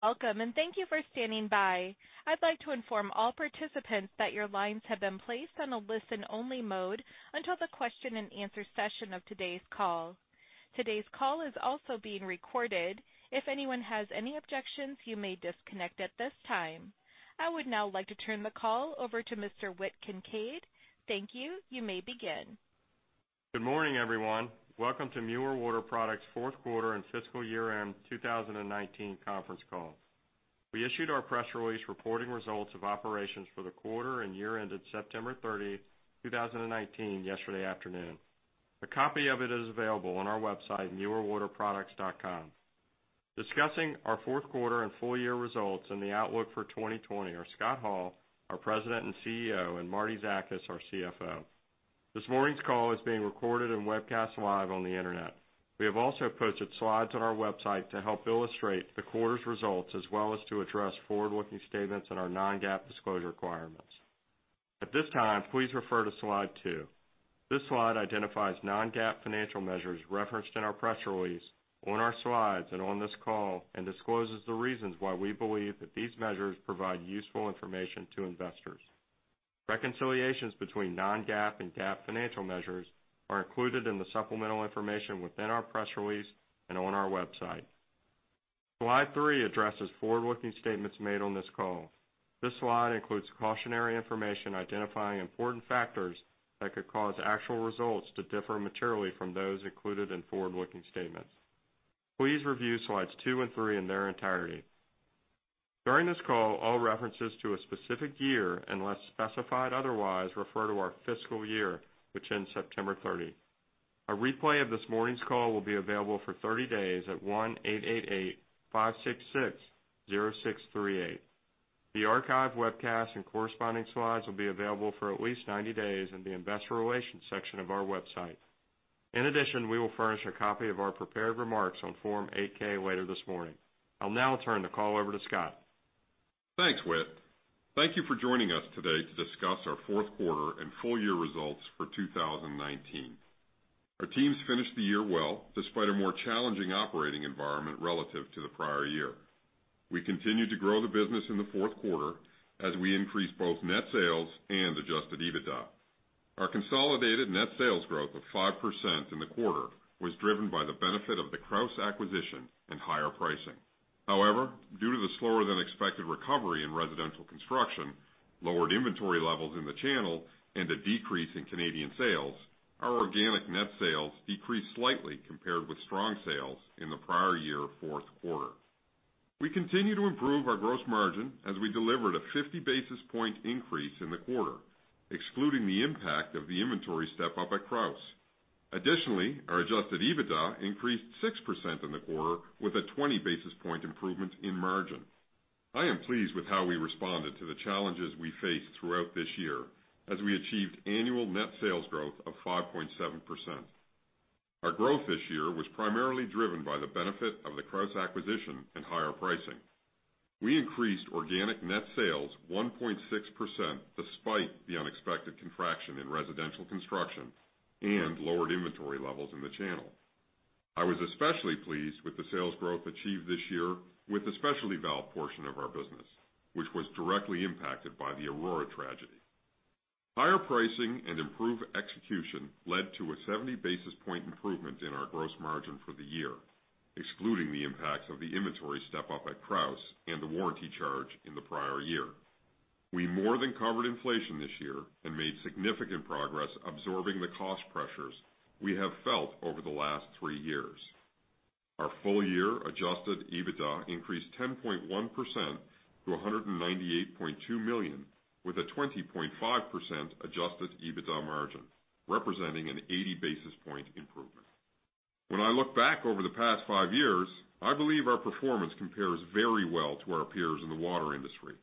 Welcome. Thank you for standing by. I'd like to inform all participants that your lines have been placed on a listen-only mode until the question and answer session of today's call. Today's call is also being recorded. If anyone has any objections, you may disconnect at this time. I would now like to turn the call over to Mr. Whit Kincaid. Thank you. You may begin. Good morning, everyone. Welcome to Mueller Water Products' fourth quarter and fiscal year-end 2019 conference call. We issued our press release reporting results of operations for the quarter and year ended September 30, 2019 yesterday afternoon. A copy of it is available on our website, muellerwaterproducts.com. Discussing our fourth quarter and full year results and the outlook for 2020 are Scott Hall, our President and CEO, and Martie Zakas, our CFO. This morning's call is being recorded and webcast live on the Internet. We have also posted slides on our website to help illustrate the quarter's results as well as to address forward-looking statements and our non-GAAP disclosure requirements. At this time, please refer to Slide two. This slide identifies non-GAAP financial measures referenced in our press release, on our slides, and on this call, and discloses the reasons why we believe that these measures provide useful information to investors. Reconciliations between non-GAAP and GAAP financial measures are included in the supplemental information within our press release and on our website. Slide three addresses forward-looking statements made on this call. This slide includes cautionary information identifying important factors that could cause actual results to differ materially from those included in forward-looking statements. Please review Slides two and three in their entirety. During this call, all references to a specific year, unless specified otherwise, refer to our fiscal year, which ends September 30. A replay of this morning's call will be available for 30 days at 1-888-566-0638. The archive, webcast, and corresponding slides will be available for at least 90 days in the investor relations section of our website. In addition, we will furnish a copy of our prepared remarks on Form 8-K later this morning. I'll now turn the call over to Scott. Thanks, Whit. Thank you for joining us today to discuss our fourth quarter and full year results for 2019. Our teams finished the year well, despite a more challenging operating environment relative to the prior year. We continued to grow the business in the fourth quarter as we increased both net sales and adjusted EBITDA. Our consolidated net sales growth of 5% in the quarter was driven by the benefit of the Krausz acquisition and higher pricing. However, due to the slower than expected recovery in residential construction, lowered inventory levels in the channel, and a decrease in Canadian sales, our organic net sales decreased slightly compared with strong sales in the prior year fourth quarter. We continue to improve our gross margin as we delivered a 50-basis-point increase in the quarter, excluding the impact of the inventory step-up at Krausz. Additionally, our adjusted EBITDA increased 6% in the quarter with a 20-basis-point improvement in margin. I am pleased with how we responded to the challenges we faced throughout this year as we achieved annual net sales growth of 5.7%. Our growth this year was primarily driven by the benefit of the Krausz acquisition and higher pricing. We increased organic net sales 1.6% despite the unexpected contraction in residential construction and lowered inventory levels in the channel. I was especially pleased with the sales growth achieved this year with the specialty valve portion of our business, which was directly impacted by the Aurora tragedy. Higher pricing and improved execution led to a 70-basis-point improvement in our gross margin for the year, excluding the impacts of the inventory step-up at Krausz and the warranty charge in the prior year. We more than covered inflation this year and made significant progress absorbing the cost pressures we have felt over the last three years. Our full-year adjusted EBITDA increased 10.1% to $198.2 million, with a 20.5% adjusted EBITDA margin, representing an 80-basis-point improvement. When I look back over the past five years, I believe our performance compares very well to our peers in the water industry.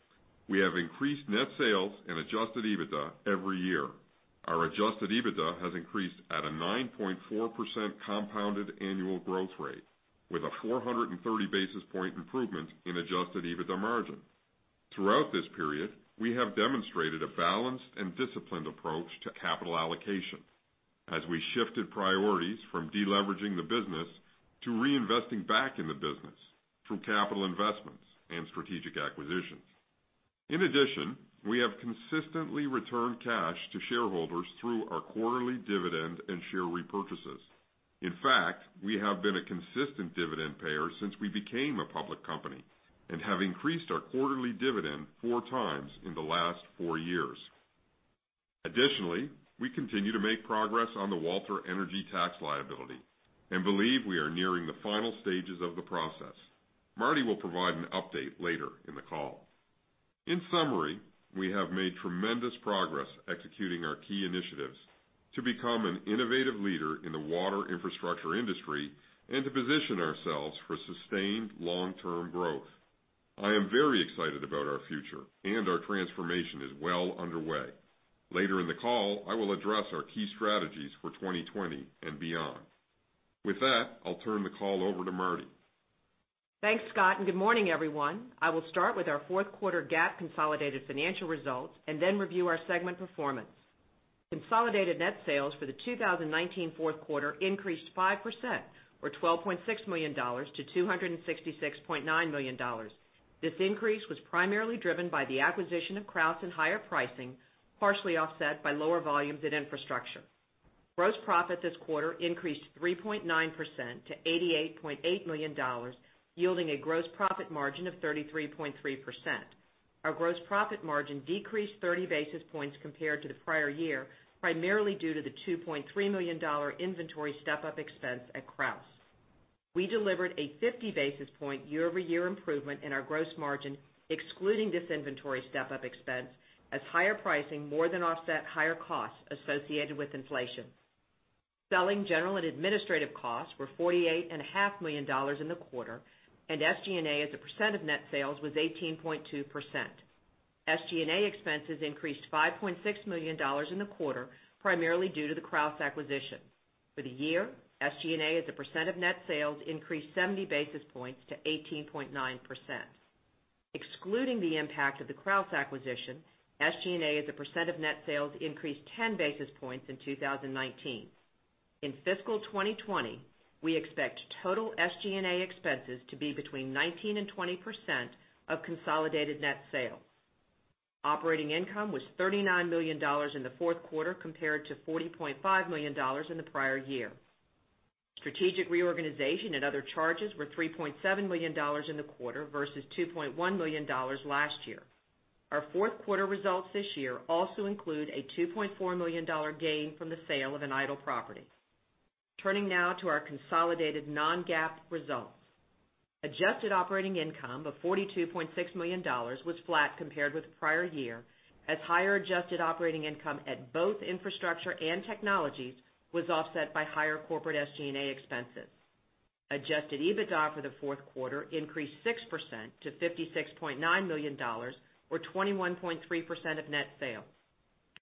We have increased net sales and adjusted EBITDA every year. Our adjusted EBITDA has increased at a 9.4% compounded annual growth rate with a 430-basis-point improvement in adjusted EBITDA margin. Throughout this period, we have demonstrated a balanced and disciplined approach to capital allocation as we shifted priorities from deleveraging the business to reinvesting back in the business through capital investments and strategic acquisitions. In addition, we have consistently returned cash to shareholders through our quarterly dividend and share repurchases. In fact, we have been a consistent dividend payer since we became a public company and have increased our quarterly dividend four times in the last four years. Additionally, we continue to make progress on the Walter Energy tax liability and believe we are nearing the final stages of the process. Martie will provide an update later in the call. In summary, we have made tremendous progress executing our key initiatives to become an innovative leader in the water infrastructure industry and to position ourselves for sustained long-term growth. I am very excited about our future, and our transformation is well underway. Later in the call, I will address our key strategies for 2020 and beyond. With that, I'll turn the call over to Martie. Thanks, Scott, good morning, everyone. I will start with our fourth quarter GAAP consolidated financial results and then review our segment performance. Consolidated net sales for the 2019 fourth quarter increased 5%, or $12.6 million to $266.9 million. This increase was primarily driven by the acquisition of Krausz and higher pricing, partially offset by lower volumes in infrastructure. Gross profit this quarter increased 3.9% to $88.8 million, yielding a gross profit margin of 33.3%. Our gross profit margin decreased 30 basis points compared to the prior year, primarily due to the $2.3 million inventory step-up expense at Krausz. We delivered a 50 basis point year-over-year improvement in our gross margin, excluding this inventory step-up expense, as higher pricing more than offset higher costs associated with inflation. Selling general and administrative costs were $48.5 million in the quarter. SG&A as a percent of net sales was 18.2%. SG&A expenses increased $5.6 million in the quarter, primarily due to the Krausz acquisition. For the year, SG&A as a percent of net sales increased 70 basis points to 18.9%. Excluding the impact of the Krausz acquisition, SG&A as a percent of net sales increased 10 basis points in 2019. In fiscal 2020, we expect total SG&A expenses to be between 19%-20% of consolidated net sales. Operating income was $39 million in the fourth quarter, compared to $40.5 million in the prior year. Strategic reorganization and other charges were $3.7 million in the quarter versus $2.1 million last year. Our fourth quarter results this year also include a $2.4 million gain from the sale of an idle property. Turning now to our consolidated non-GAAP results. Adjusted operating income of $42.6 million was flat compared with prior year, as higher adjusted operating income at both infrastructure and technologies was offset by higher corporate SG&A expenses. Adjusted EBITDA for the fourth quarter increased 6% to $56.9 million, or 21.3% of net sales.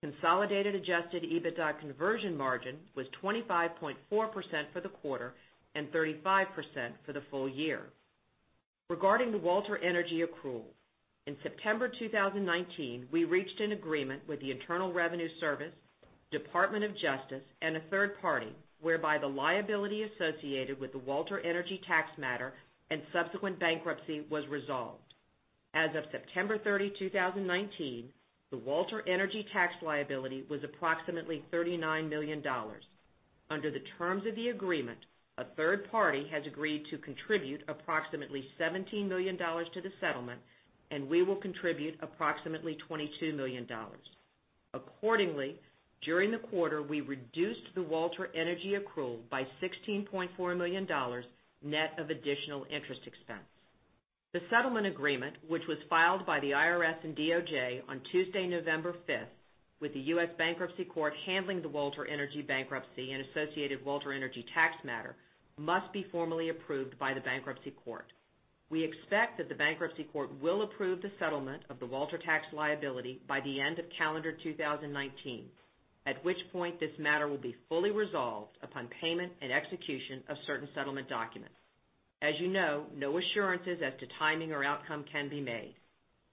Consolidated adjusted EBITDA conversion margin was 25.4% for the quarter and 35% for the full year. Regarding the Walter Energy accrual, in September 2019, we reached an agreement with the Internal Revenue Service, Department of Justice, and a third party whereby the liability associated with the Walter Energy tax matter and subsequent bankruptcy was resolved. As of September 30, 2019, the Walter Energy tax liability was approximately $39 million. Under the terms of the agreement, a third party has agreed to contribute approximately $17 million to the settlement, and we will contribute approximately $22 million. Accordingly, during the quarter, we reduced the Walter Energy accrual by $16.4 million, net of additional interest expense. The settlement agreement, which was filed by the IRS and DOJ on Tuesday, November 5th, with the US Bankruptcy Court handling the Walter Energy bankruptcy and associated Walter Energy tax matter, must be formally approved by the bankruptcy court. We expect that the bankruptcy court will approve the settlement of the Walter tax liability by the end of calendar 2019, at which point this matter will be fully resolved upon payment and execution of certain settlement documents. As you know, no assurances as to timing or outcome can be made.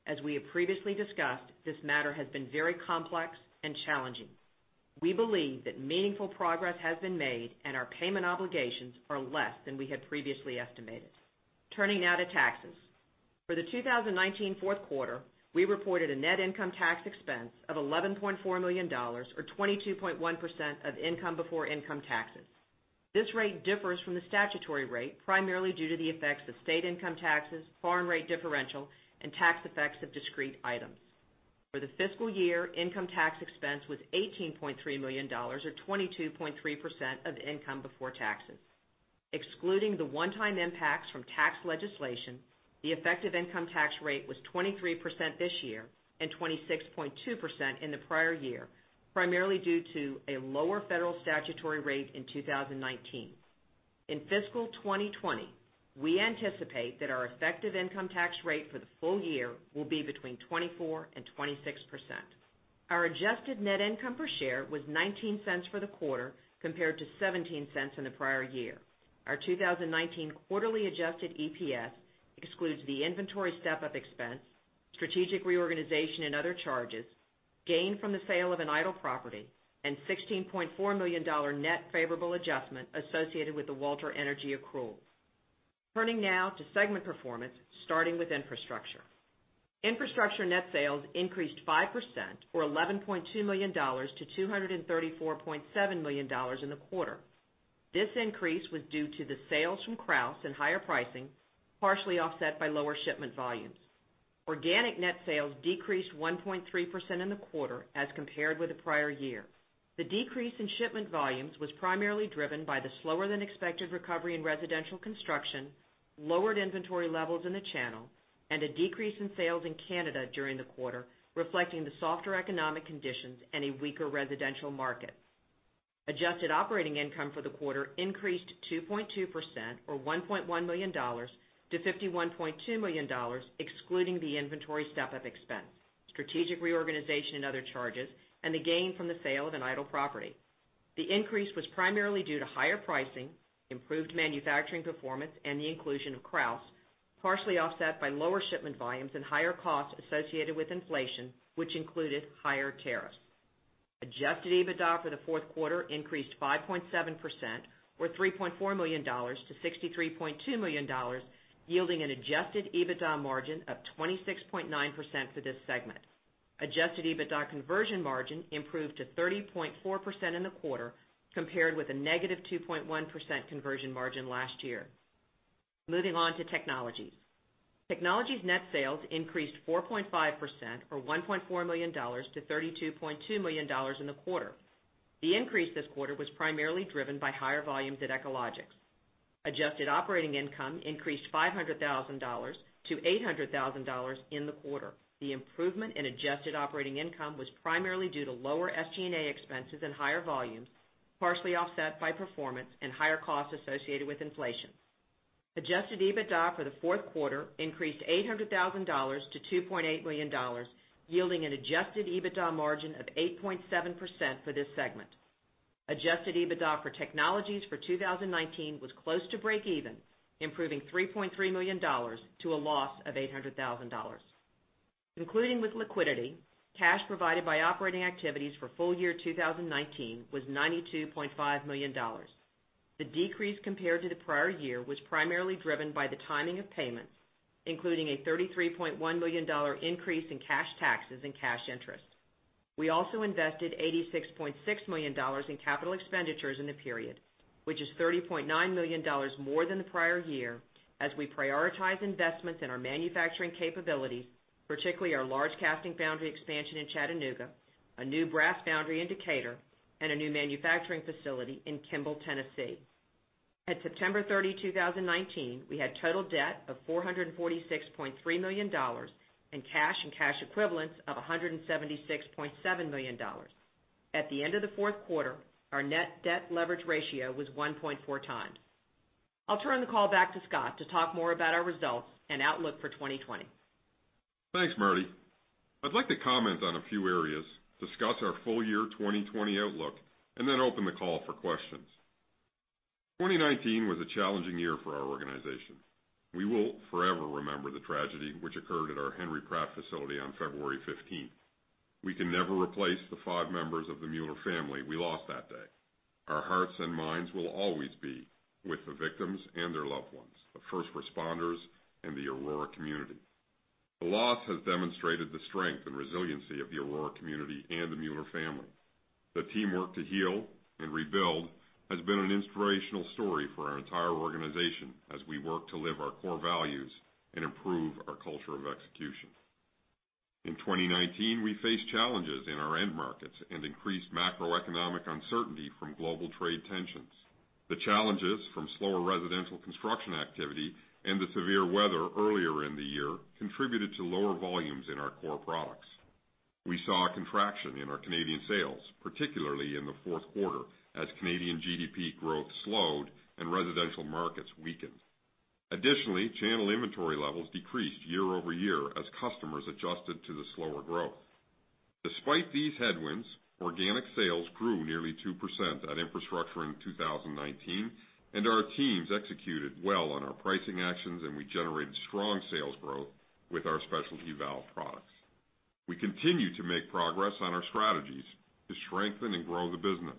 As we have previously discussed, this matter has been very complex and challenging. We believe that meaningful progress has been made and our payment obligations are less than we had previously estimated. Turning now to taxes. For the 2019 fourth quarter, we reported a net income tax expense of $11.4 million or 22.1% of income before income taxes. This rate differs from the statutory rate, primarily due to the effects of state income taxes, foreign rate differential, and tax effects of discrete items. For the fiscal year, income tax expense was $18.3 million or 22.3% of income before taxes. Excluding the one-time impacts from tax legislation, the effective income tax rate was 23% this year and 26.2% in the prior year, primarily due to a lower federal statutory rate in 2019. In fiscal 2020, we anticipate that our effective income tax rate for the full year will be between 24% and 26%. Our adjusted net income per share was $0.19 for the quarter compared to $0.17 in the prior year. Our 2019 quarterly adjusted EPS excludes the inventory step-up expense, strategic reorganization and other charges, gain from the sale of an idle property, and $16.4 million net favorable adjustment associated with the Walter Energy accrual. Turning now to segment performance, starting with infrastructure. Infrastructure net sales increased 5%, or $11.2 million, to $234.7 million in the quarter. This increase was due to the sales from Krausz and higher pricing, partially offset by lower shipment volumes. Organic net sales decreased 1.3% in the quarter as compared with the prior year. The decrease in shipment volumes was primarily driven by the slower-than-expected recovery in residential construction, lowered inventory levels in the channel, and a decrease in sales in Canada during the quarter, reflecting the softer economic conditions and a weaker residential market. Adjusted operating income for the quarter increased 2.2%, or $1.1 million, to $51.2 million, excluding the inventory step-up expense, strategic reorganization and other charges, and the gain from the sale of an idle property. The increase was primarily due to higher pricing, improved manufacturing performance, and the inclusion of Krausz, partially offset by lower shipment volumes and higher costs associated with inflation, which included higher tariffs. Adjusted EBITDA for the fourth quarter increased 5.7%, or $3.4 million to $63.2 million, yielding an adjusted EBITDA margin of 26.9% for this segment. Adjusted EBITDA conversion margin improved to 30.4% in the quarter, compared with a negative 2.1% conversion margin last year. Moving on to Technologies. Technologies net sales increased 4.5%, or $1.4 million to $32.2 million in the quarter. The increase this quarter was primarily driven by higher volumes at Echologics. Adjusted operating income increased $500,000 to $800,000 in the quarter. The improvement in adjusted operating income was primarily due to lower SG&A expenses and higher volumes, partially offset by performance and higher costs associated with inflation. Adjusted EBITDA for the fourth quarter increased $800,000 to $2.8 million, yielding an adjusted EBITDA margin of 8.7% for this segment. Adjusted EBITDA for Technologies for 2019 was close to breakeven, improving $3.3 million to a loss of $800,000. Concluding with liquidity, cash provided by operating activities for full year 2019 was $92.5 million. The decrease compared to the prior year was primarily driven by the timing of payments, including a $33.1 million increase in cash taxes and cash interest. We also invested $86.6 million in capital expenditures in the period, which is $30.9 million more than the prior year as we prioritize investments in our manufacturing capabilities, particularly our large casting foundry expansion in Chattanooga, a new brass foundry in Decatur, and a new manufacturing facility in Kimball, Tennessee. At September 30, 2019, we had total debt of $446.3 million in cash and cash equivalents of $176.7 million. At the end of the fourth quarter, our net debt leverage ratio was 1.4x. I'll turn the call back to Scott to talk more about our results and outlook for 2020. Thanks, Martie. I'd like to comment on a few areas, discuss our full year 2020 outlook, and open the call for questions. 2019 was a challenging year for our organization. We will forever remember the tragedy which occurred at our Henry Pratt facility on February 15th. We can never replace the five members of the Mueller family we lost that day. Our hearts and minds will always be with the victims and their loved ones, the first responders, and the Aurora community. The loss has demonstrated the strength and resiliency of the Aurora community and the Mueller family. The teamwork to heal and rebuild has been an inspirational story for our entire organization as we work to live our core values and improve our culture of execution. In 2019, we faced challenges in our end markets and increased macroeconomic uncertainty from global trade tensions. The challenges from slower residential construction activity and the severe weather earlier in the year contributed to lower volumes in our core products. We saw a contraction in our Canadian sales, particularly in the fourth quarter, as Canadian GDP growth slowed and residential markets weakened. Additionally, channel inventory levels decreased year-over-year as customers adjusted to the slower growth. Despite these headwinds, organic sales grew nearly 2% at Infrastructure in 2019, and our teams executed well on our pricing actions, and we generated strong sales growth with our specialty valve products. We continue to make progress on our strategies to strengthen and grow the business,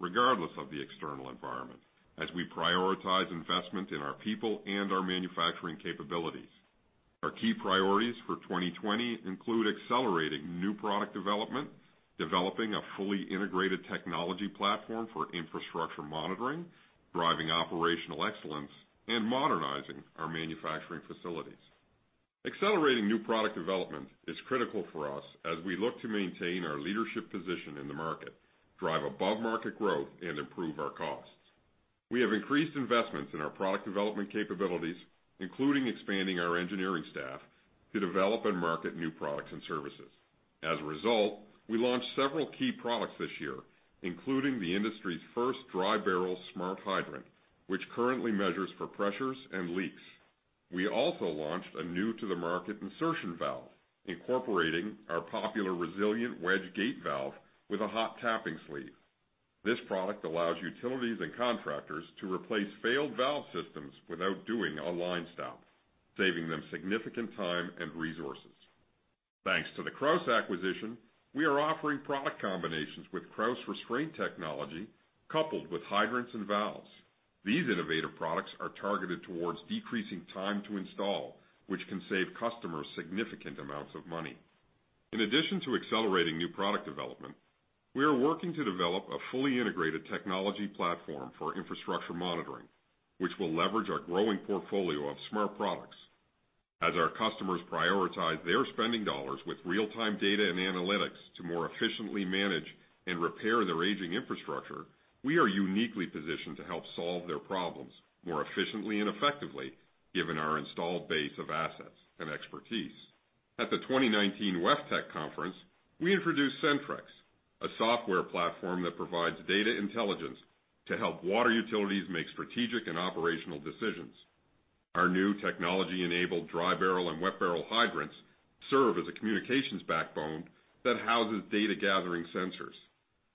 regardless of the external environment, as we prioritize investment in our people and our manufacturing capabilities. Our key priorities for 2020 include accelerating new product development, developing a fully integrated technology platform for infrastructure monitoring, driving operational excellence, and modernizing our manufacturing facilities. Accelerating new product development is critical for us as we look to maintain our leadership position in the market, drive above-market growth, and improve our costs. We have increased investments in our product development capabilities, including expanding our engineering staff to develop and market new products and services. As a result, we launched several key products this year, including the industry's first dry barrel smart hydrant, which currently measures for pressures and leaks. We also launched a new-to-the-market insertion valve, incorporating our popular resilient wedge gate valve with a hot tapping sleeve. This product allows utilities and contractors to replace failed valve systems without doing a line stop, saving them significant time and resources. Thanks to the Krausz acquisition, we are offering product combinations with Krausz restraint technology coupled with hydrants and valves. These innovative products are targeted towards decreasing time to install, which can save customers significant amounts of money. In addition to accelerating new product development, we are working to develop a fully integrated technology platform for infrastructure monitoring, which will leverage our growing portfolio of smart products. As our customers prioritize their spending dollars with real-time data and analytics to more efficiently manage and repair their aging infrastructure, we are uniquely positioned to help solve their problems more efficiently and effectively, given our installed base of assets and expertise. At the 2019 WEFTEC conference, we introduced Sentryx, a software platform that provides data intelligence to help water utilities make strategic and operational decisions. Our new technology-enabled dry barrel and wet barrel hydrants serve as a communications backbone that houses data-gathering sensors.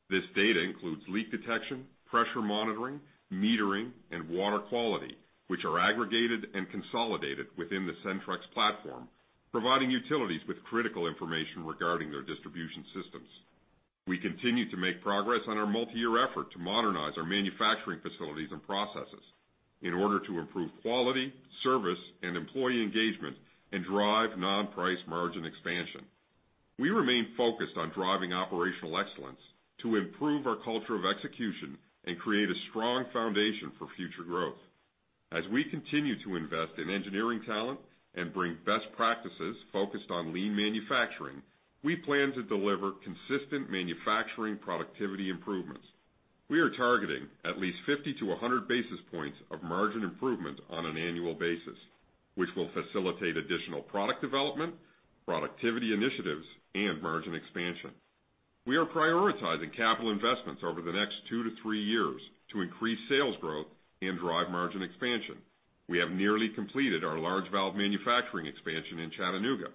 This data includes leak detection, pressure monitoring, metering, and water quality, which are aggregated and consolidated within the Sentryx platform, providing utilities with critical information regarding their distribution systems. We continue to make progress on our multi-year effort to modernize our manufacturing facilities and processes in order to improve quality, service, and employee engagement and drive non-price margin expansion. We remain focused on driving operational excellence to improve our culture of execution and create a strong foundation for future growth. As we continue to invest in engineering talent and bring best practices focused on lean manufacturing, we plan to deliver consistent manufacturing productivity improvements. We are targeting at least 50-100 basis points of margin improvement on an annual basis, which will facilitate additional product development, productivity initiatives, and margin expansion. We are prioritizing capital investments over the next two to three years to increase sales growth and drive margin expansion. We have nearly completed our large valve manufacturing expansion in Chattanooga.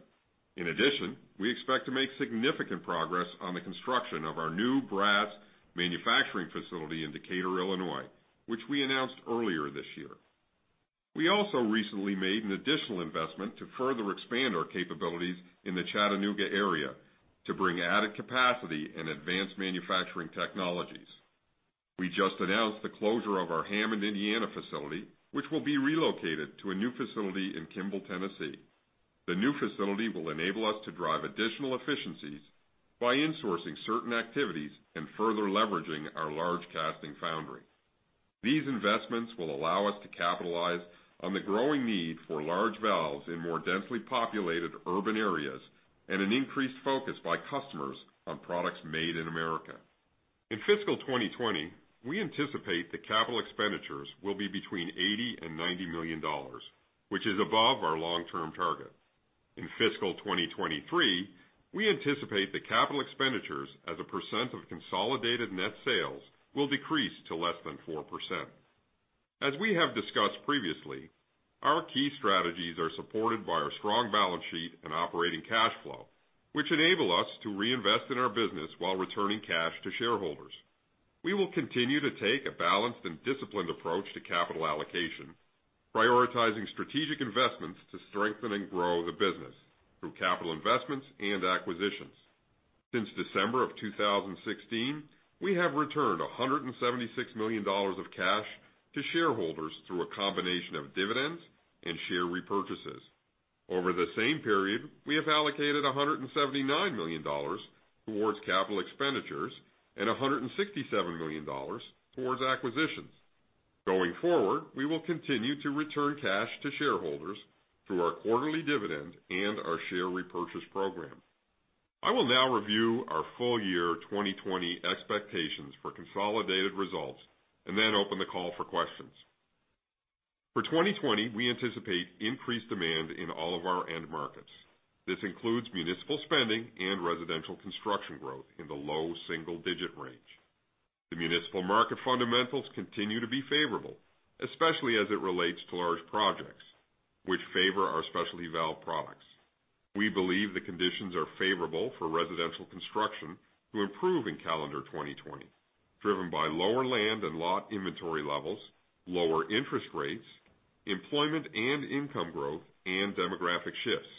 In addition, we expect to make significant progress on the construction of our new brass manufacturing facility in Decatur, Illinois, which we announced earlier this year. We also recently made an additional investment to further expand our capabilities in the Chattanooga area to bring added capacity and advanced manufacturing technologies. We just announced the closure of our Hammond, Indiana facility, which will be relocated to a new facility in Kimball, Tennessee. The new facility will enable us to drive additional efficiencies by insourcing certain activities and further leveraging our large casting foundry. These investments will allow us to capitalize on the growing need for large valves in more densely populated urban areas and an increased focus by customers on products made in America. In fiscal 2020, we anticipate that capital expenditures will be between $80 million and $90 million, which is above our long-term target. In fiscal 2023, we anticipate that capital expenditures as a percent of consolidated net sales will decrease to less than 4%. As we have discussed previously, our key strategies are supported by our strong balance sheet and operating cash flow, which enable us to reinvest in our business while returning cash to shareholders. We will continue to take a balanced and disciplined approach to capital allocation, prioritizing strategic investments to strengthen and grow the business through capital investments and acquisitions. Since December of 2016, we have returned $176 million of cash to shareholders through a combination of dividends and share repurchases. Over the same period, we have allocated $179 million towards capital expenditures and $167 million towards acquisitions. Going forward, we will continue to return cash to shareholders through our quarterly dividend and our share repurchase program. I will now review our full year 2020 expectations for consolidated results and then open the call for questions. For 2020, we anticipate increased demand in all of our end markets. This includes municipal spending and residential construction growth in the low single-digit range. The municipal market fundamentals continue to be favorable, especially as it relates to large projects, which favor our specialty valve products. We believe the conditions are favorable for residential construction to improve in calendar 2020, driven by lower land and lot inventory levels, lower interest rates, employment and income growth, and demographic shifts.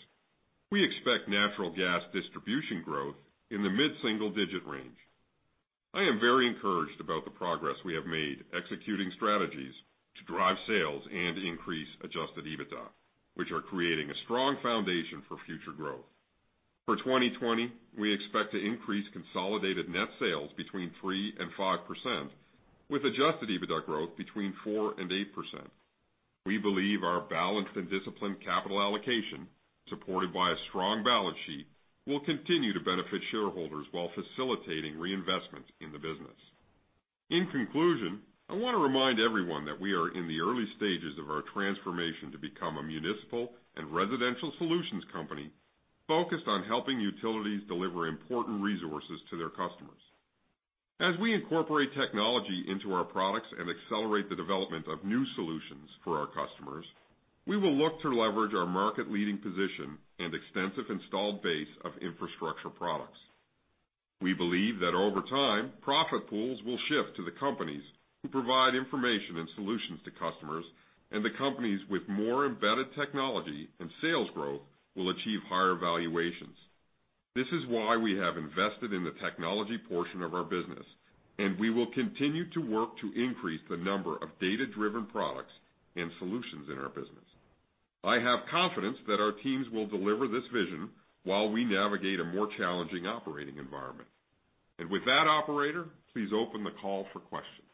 We expect natural gas distribution growth in the mid-single digit range. I am very encouraged about the progress we have made executing strategies to drive sales and increase adjusted EBITDA, which are creating a strong foundation for future growth. For 2020, we expect to increase consolidated net sales between 3% and 5% with adjusted EBITDA growth between 4% and 8%. We believe our balanced and disciplined capital allocation, supported by a strong balance sheet, will continue to benefit shareholders while facilitating reinvestment in the business. In conclusion, I want to remind everyone that we are in the early stages of our transformation to become a municipal and residential solutions company focused on helping utilities deliver important resources to their customers. As we incorporate technology into our products and accelerate the development of new solutions for our customers, we will look to leverage our market-leading position and extensive installed base of infrastructure products. We believe that over time, profit pools will shift to the companies who provide information and solutions to customers, and the companies with more embedded technology and sales growth will achieve higher valuations. This is why we have invested in the technology portion of our business, and we will continue to work to increase the number of data-driven products and solutions in our business. I have confidence that our teams will deliver this vision while we navigate a more challenging operating environment. With that, operator, please open the call for questions.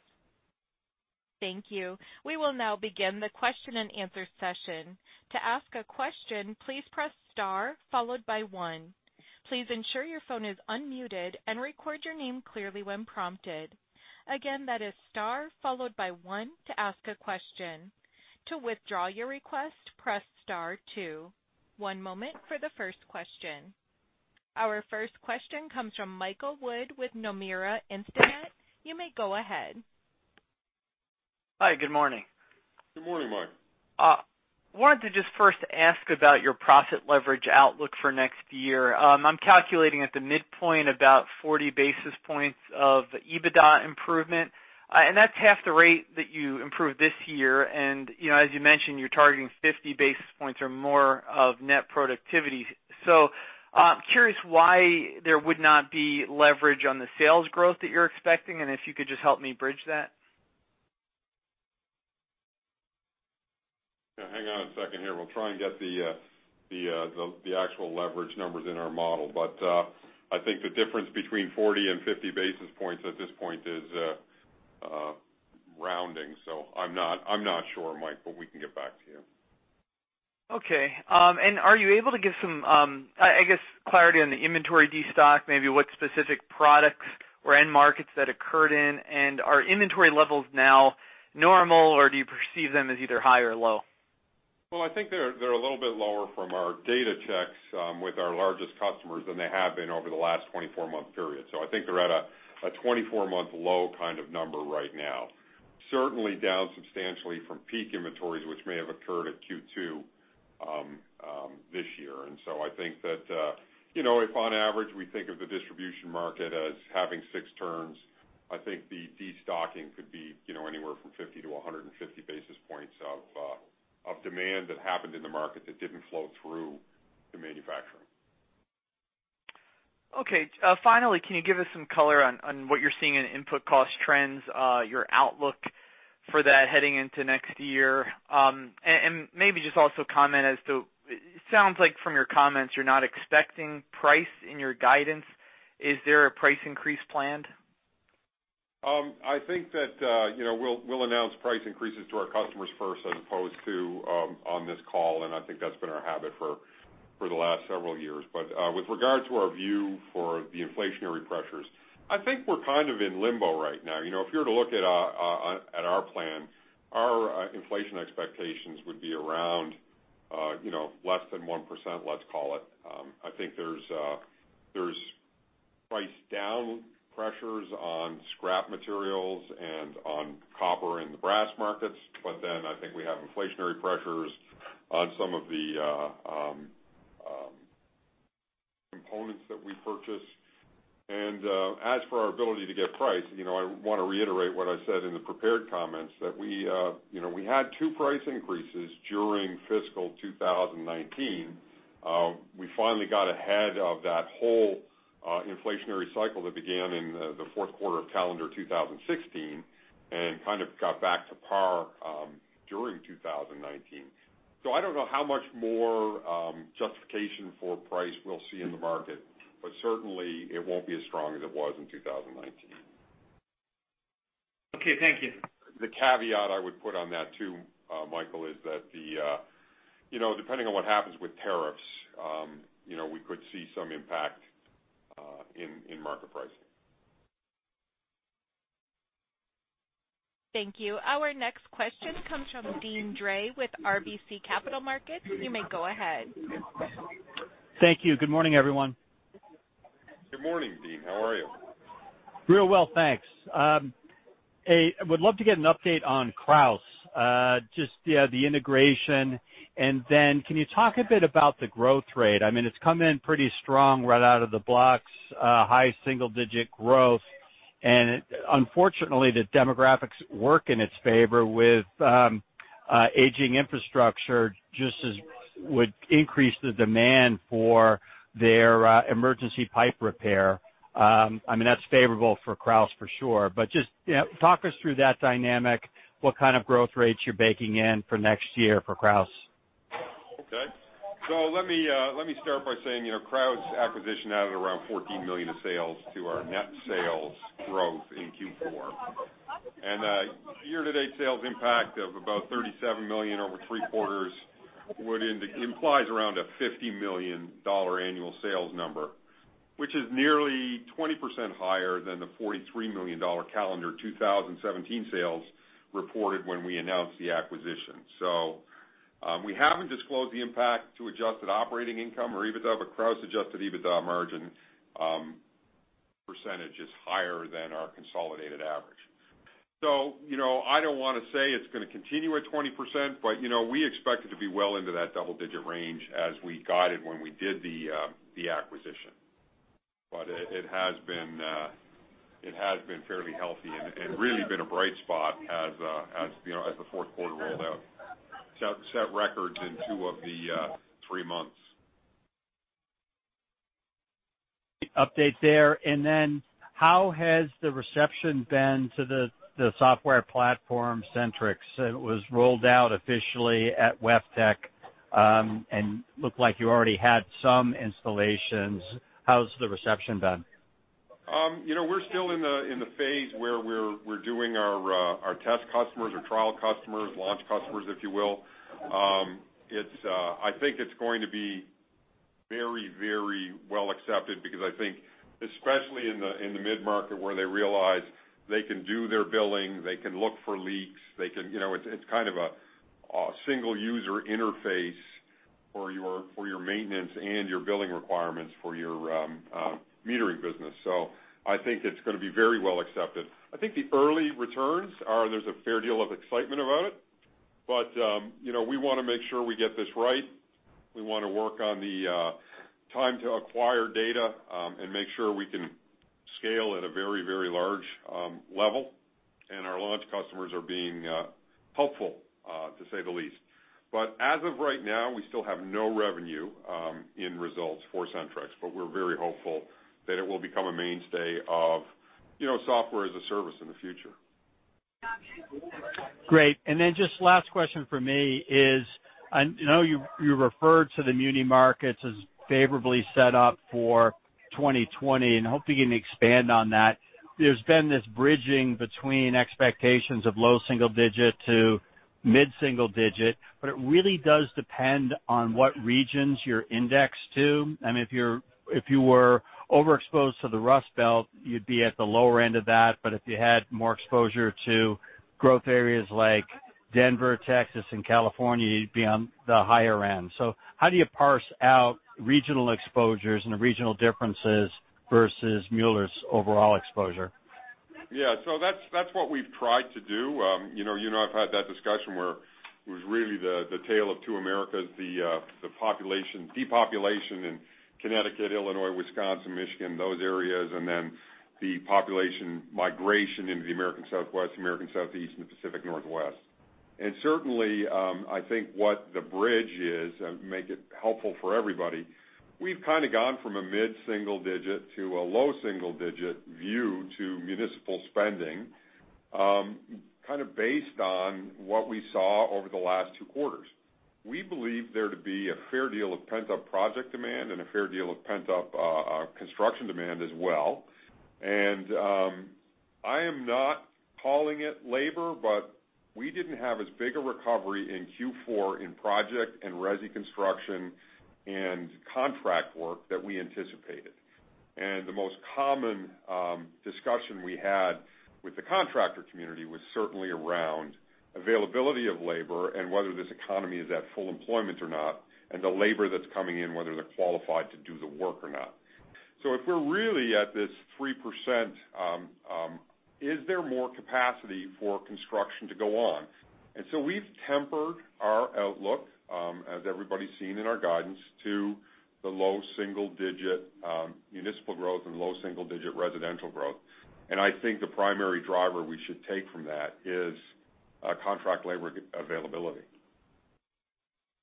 Thank you. We will now begin the question and answer session. To ask a question, please press star followed by one. Please ensure your phone is unmuted and record your name clearly when prompted. Again, that is star followed by one to ask a question. To withdraw your request, press star two. One moment for the first question. Our first question comes from Michael Wood with Nomura Instinet. You may go ahead. Hi, good morning. Good morning, Mike. Wanted to just first ask about your profit leverage outlook for next year. I'm calculating at the midpoint about 40 basis points of EBITDA improvement. That's half the rate that you improved this year. As you mentioned, you're targeting 50 basis points or more of net productivity. Curious why there would not be leverage on the sales growth that you're expecting, and if you could just help me bridge that. Yeah, hang on a second here. We'll try and get the actual leverage numbers in our model. I think the difference between 40 and 50 basis points at this point is rounding. I'm not sure, Mike, but we can get back to you. Okay. Are you able to give some, I guess, clarity on the inventory destock, maybe what specific products or end markets that occurred in? Are inventory levels now normal, or do you perceive them as either high or low? Well, I think they're a little bit lower from our data checks with our largest customers than they have been over the last 24-month period. I think they're at a 24-month low kind of number right now. Certainly down substantially from peak inventories, which may have occurred at Q2 this year. I think that if on average we think of the distribution market as having six turns, I think the destocking could be anywhere from 50 to 150 basis points of demand that happened in the market that didn't flow through to manufacturing. Okay. Finally, can you give us some color on what you're seeing in input cost trends, your outlook for that heading into next year? Maybe just also comment. It sounds like from your comments you're not expecting price in your guidance. Is there a price increase planned? I think that we'll announce price increases to our customers first as opposed to on this call, and I think that's been our habit for the last several years. With regard to our view for the inflationary pressures, I think we're kind of in limbo right now. If you were to look at our plan, our inflation expectations would be around less than 1%, let's call it. I think there's price down pressures on scrap materials and on copper in the brass markets. I think we have inflationary pressures on some of the components that we purchase. As for our ability to get price, I want to reiterate what I said in the prepared comments, that we had two price increases during fiscal 2019. We finally got ahead of that whole inflationary cycle that began in the fourth quarter of calendar 2016 and kind of got back to par during 2019. I don't know how much more justification for price we'll see in the market. Certainly it won't be as strong as it was in 2019. Okay, thank you. The caveat I would put on that too, Michael, is that depending on what happens with tariffs, we could see some impact in market pricing. Thank you. Our next question comes from Deane Dray with RBC Capital Markets. You may go ahead. Thank you. Good morning, everyone. Good morning, Deane. How are you? Real well, thanks. Would love to get an update on Krausz, just the integration, and then can you talk a bit about the growth rate? It's come in pretty strong right out of the blocks, high single-digit growth. Unfortunately, the demographics work in its favor with aging infrastructure just as would increase the demand for their emergency pipe repair. That's favorable for Krausz for sure, but just talk us through that dynamic, what kind of growth rates you're baking in for next year for Krausz. Okay. Let me start by saying, Krausz acquisition added around $14 million of sales to our net sales growth in Q4. Year-to-date sales impact of about $37 million over three quarters would implies around a $50 million annual sales number, which is nearly 20% higher than the $43 million calendar 2017 sales reported when we announced the acquisition. We haven't disclosed the impact to adjusted operating income or EBITDA, but Krausz adjusted EBITDA margin percentage is higher than our consolidated average. I don't want to say it's going to continue at 20%, but we expect it to be well into that double-digit range as we guided when we did the acquisition. It has been fairly healthy and really been a bright spot as the fourth quarter rolled out. Set records in two of the three months. Update there. How has the reception been to the software platform, Sentryx? It was rolled out officially at WEFTEC, looked like you already had some installations. How's the reception been? We're still in the phase where we're doing our test customers or trial customers, launch customers, if you will. I think it's going to be very well accepted because I think especially in the mid-market where they realize they can do their billing, they can look for leaks, it's kind of a single user interface for your maintenance and your billing requirements for your metering business. I think it's going to be very well accepted. I think the early returns are, there's a fair deal of excitement about it, but we want to make sure we get this right. We want to work on the time to acquire data, and make sure we can scale at a very large level. Our launch customers are being helpful, to say the least. As of right now, we still have no revenue in results for Sentryx, but we're very hopeful that it will become a mainstay of software as a service in the future. Great. Then just last question from me is, I know you referred to the muni markets as favorably set up for 2020, and I hope you can expand on that. There's been this bridging between expectations of low single-digit to mid-single-digit, it really does depend on what regions you're indexed to. If you were overexposed to the Rust Belt, you'd be at the lower end of that. If you had more exposure to growth areas like Denver, Texas, and California, you'd be on the higher end. How do you parse out regional exposures and regional differences versus Mueller's overall exposure? Yeah. That's what we've tried to do. You know I've had that discussion where it was really the tale of two Americas, the depopulation in Connecticut, Illinois, Wisconsin, Michigan, those areas, and then the population migration into the American Southwest, American Southeast, and the Pacific Northwest. Certainly, I think what the bridge is, and make it helpful for everybody, we've kind of gone from a mid-single digit to a low single-digit view to municipal spending, based on what we saw over the last two quarters. We believe there to be a fair deal of pent-up project demand and a fair deal of pent-up construction demand as well. I am not calling it labor, but we didn't have as big a recovery in Q4 in project and resi construction and contract work that we anticipated. The most common discussion we had with the contractor community was certainly around availability of labor and whether this economy is at full employment or not, and the labor that's coming in, whether they're qualified to do the work or not. If we're really at this 3%, is there more capacity for construction to go on? We've tempered our outlook, as everybody's seen in our guidance, to the low single-digit municipal growth and low single-digit residential growth. I think the primary driver we should take from that is contract labor availability.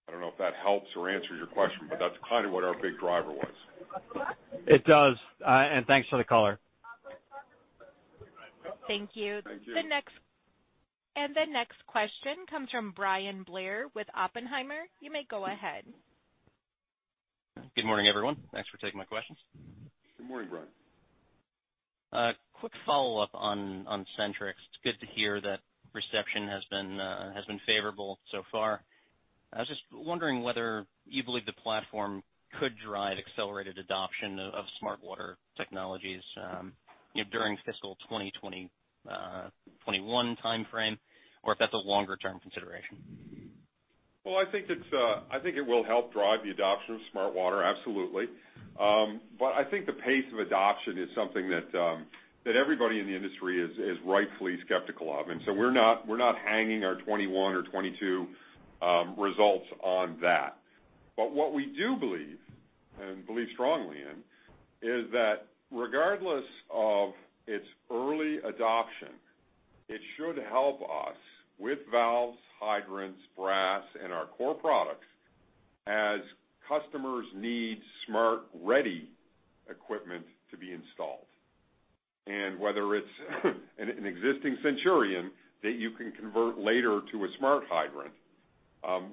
I don't know if that helps or answers your question, but that's kind of what our big driver was. It does. Thanks for the color. Thank you. Thank you. The next question comes from Bryan Blair with Oppenheimer. You may go ahead. Good morning, everyone. Thanks for taking my questions. Good morning, Bryan. A quick follow-up on Sentryx. It's good to hear that reception has been favorable so far. I was just wondering whether you believe the platform could drive accelerated adoption of Smart Water technologies during fiscal 2021 timeframe, or if that's a longer-term consideration. I think it will help drive the adoption of Smart Water, absolutely. I think the pace of adoption is something that everybody in the industry is rightfully skeptical of. We're not hanging our 2021 or 2022 results on that. What we do believe, and believe strongly in, is that regardless of its early adoption, it should help us with valves, hydrants, brass, and our core products as customers need Smart ready equipment to be installed. Whether it's an existing Centurion that you can convert later to a smart hydrant,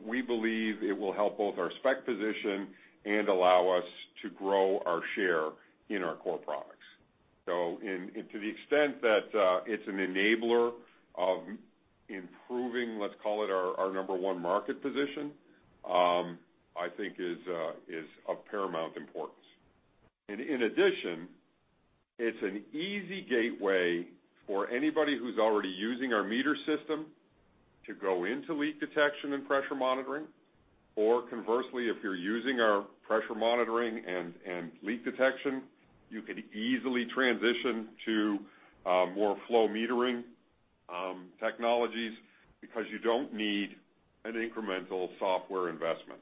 we believe it will help both our spec position and allow us to grow our share in our core products. To the extent that it's an enabler of improving, let's call it our number one market position, I think is of paramount importance. In addition, it's an easy gateway for anybody who's already using our meter system to go into leak detection and pressure monitoring. Conversely, if you're using our pressure monitoring and leak detection, you could easily transition to more flow metering technologies because you don't need an incremental software investment.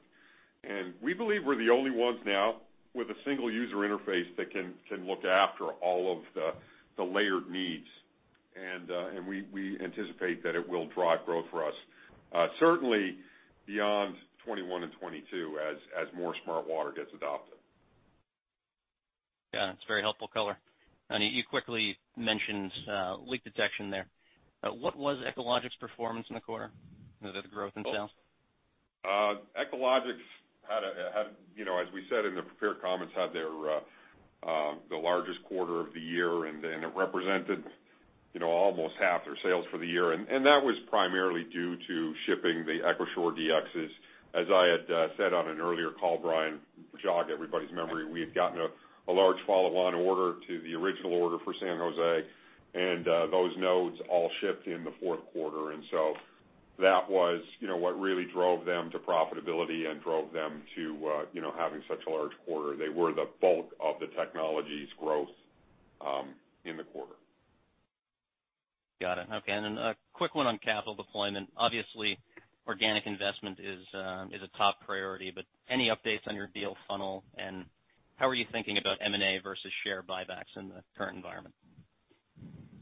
We believe we're the only ones now with a single user interface that can look after all of the layered needs. We anticipate that it will drive growth for us, certainly beyond 2021 and 2022 as more Smart Water gets adopted. Yeah. That's a very helpful color. You quickly mentioned leak detection there. What was Echologics' performance in the quarter? Was it a growth in sales? Echologics, as we said in the prepared comments, had the largest quarter of the year, and it represented almost half their sales for the year. That was primarily due to shipping the EchoShore-DXs. As I had said on an earlier call, Bryan, to jog everybody's memory, we had gotten a large follow-on order to the original order for San Jose, and those nodes all shipped in the fourth quarter. That was what really drove them to profitability and drove them to having such a large quarter. They were the bulk of the technologies growth in the quarter. Got it. Okay. Then a quick one on capital deployment. Obviously, organic investment is a top priority. Any updates on your deal funnel and how are you thinking about M&A versus share buybacks in the current environment?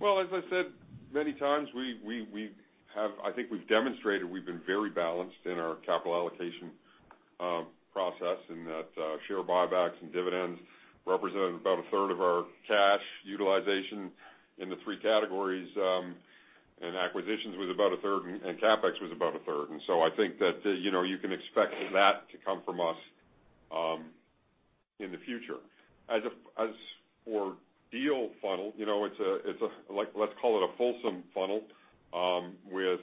Well, as I said many times, I think we've demonstrated we've been very balanced in our capital allocation process in that share buybacks and dividends represented about a third of our cash utilization in the three categories, and acquisitions was about a third and CapEx was about a third. I think that you can expect that to come from us in the future. As for deal funnel, let's call it a fulsome funnel with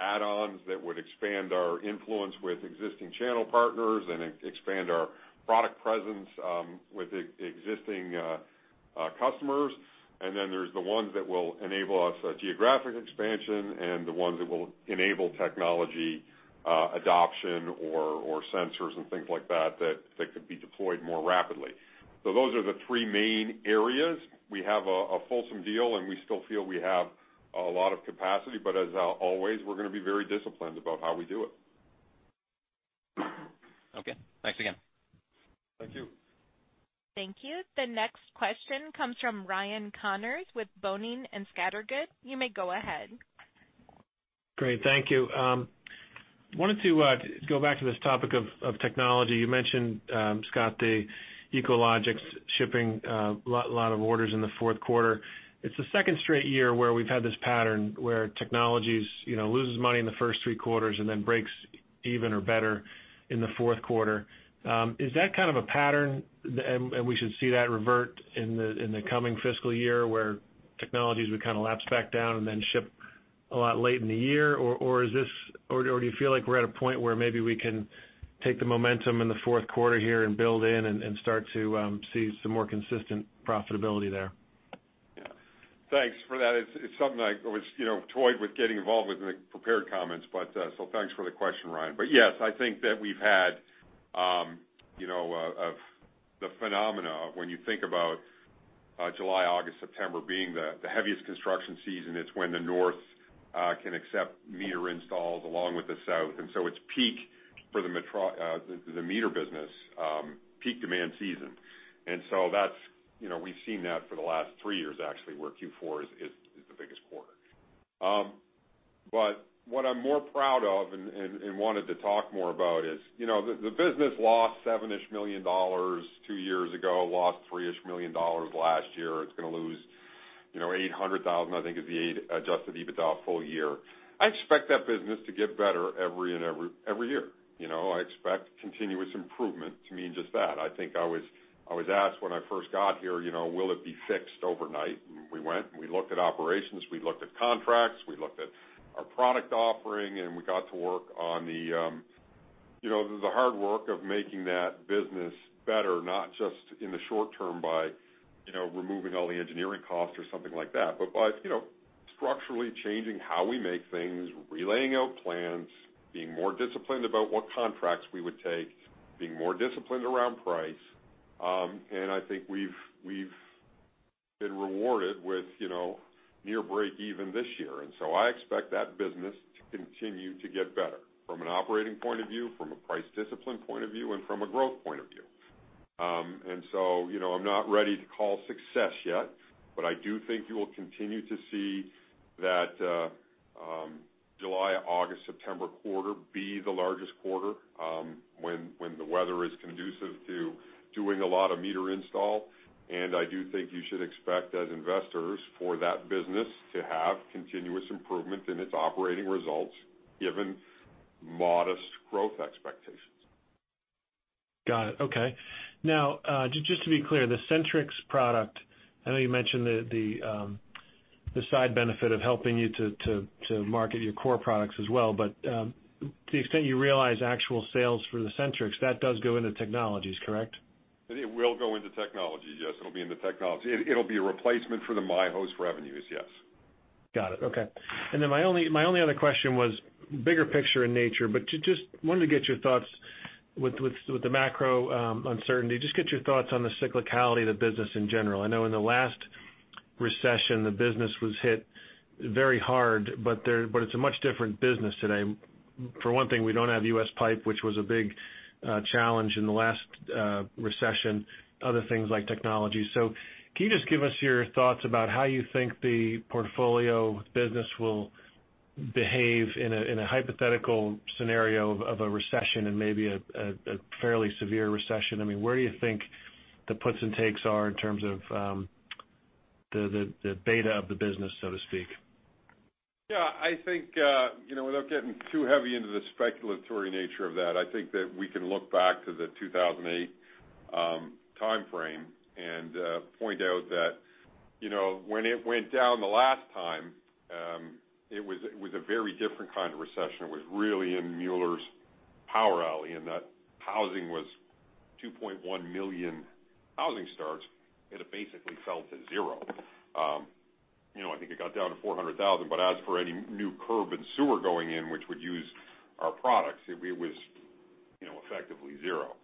add-ons that would expand our influence with existing channel partners and expand our product presence with existing customers. There's the ones that will enable us geographic expansion and the ones that will enable technology adoption or sensors and things like that could be deployed more rapidly. Those are the three main areas. We have a fulsome deal, and we still feel we have a lot of capacity. As always, we're going to be very disciplined about how we do it. Okay. Thanks again. Thank you. Thank you. The next question comes from Ryan Connors with Boenning & Scattergood. You may go ahead. Great. Thank you. Wanted to go back to this topic of technology. You mentioned, Scott, the Echologics shipping a lot of orders in the fourth quarter. It's the second straight year where we've had this pattern where technologies loses money in the first three quarters and then breaks even or better in the fourth quarter. Is that kind of a pattern and we should see that revert in the coming fiscal year, where technologies would kind of lapse back down and then ship a lot late in the year? Do you feel like we're at a point where maybe we can take the momentum in the fourth quarter here and build in and start to see some more consistent profitability there? Yeah. Thanks for that. It's something which I toyed with getting involved with in the prepared comments, so thanks for the question, Ryan. Yes, I think that we've had the phenomena of when you think about July, August, September being the heaviest construction season, it's when the north can accept meter installs along with the south. It's peak for the meter business, peak demand season. We've seen that for the last three years, actually, where Q4 is the biggest quarter. What I'm more proud of and wanted to talk more about is the business lost $7-ish million two years ago, lost $3-ish million last year. It's going to lose $800,000, I think, is the adjusted EBITDA full year. I expect that business to get better every year. I expect continuous improvement to mean just that. I think I was asked when I first got here, will it be fixed overnight? We went and we looked at operations, we looked at contracts, we looked at our product offering, and we got to work on the hard work of making that business better, not just in the short term by removing all the engineering costs or something like that, but by structurally changing how we make things, relaying out plans, being more disciplined about what contracts we would take, being more disciplined around price. I think we've been rewarded with near breakeven this year. I expect that business to continue to get better from an operating point of view, from a price discipline point of view, and from a growth point of view. I'm not ready to call success yet, but I do think you will continue to see that July, August, September quarter be the largest quarter when the weather is conducive to doing a lot of meter install. I do think you should expect, as investors, for that business to have continuous improvement in its operating results, given modest growth expectations. Got it. Okay. Now, just to be clear, the Sentryx product, I know you mentioned the side benefit of helping you to market your core products as well, but to the extent you realize actual sales for the Sentryx, that does go into Technologies, correct? It will go into technology, yes. It'll be in the technology. It'll be a replacement for the Mi.Host revenues, yes. Got it. Okay. My only other question was bigger picture in nature, but just wanted to get your thoughts with the macro uncertainty, just get your thoughts on the cyclicality of the business in general. I know in the last recession, the business was hit very hard, but it's a much different business today. For one thing, we don't have U.S. Pipe, which was a big challenge in the last recession, other things like technology. Can you just give us your thoughts about how you think the portfolio business will behave in a hypothetical scenario of a recession and maybe a fairly severe recession? I mean, where do you think the puts and takes are in terms of the beta of the business, so to speak? Yeah, I think without getting too heavy into the speculative nature of that, I think that we can look back to the 2008 timeframe and point out that when it went down the last time, it was a very different kind of recession. It was really in Mueller's power alley and that housing was 2.1 million housing starts, and it basically fell to zero. I think it got down to 400,000. As for any new curb and sewer going in, which would use our products, it was effectively zero.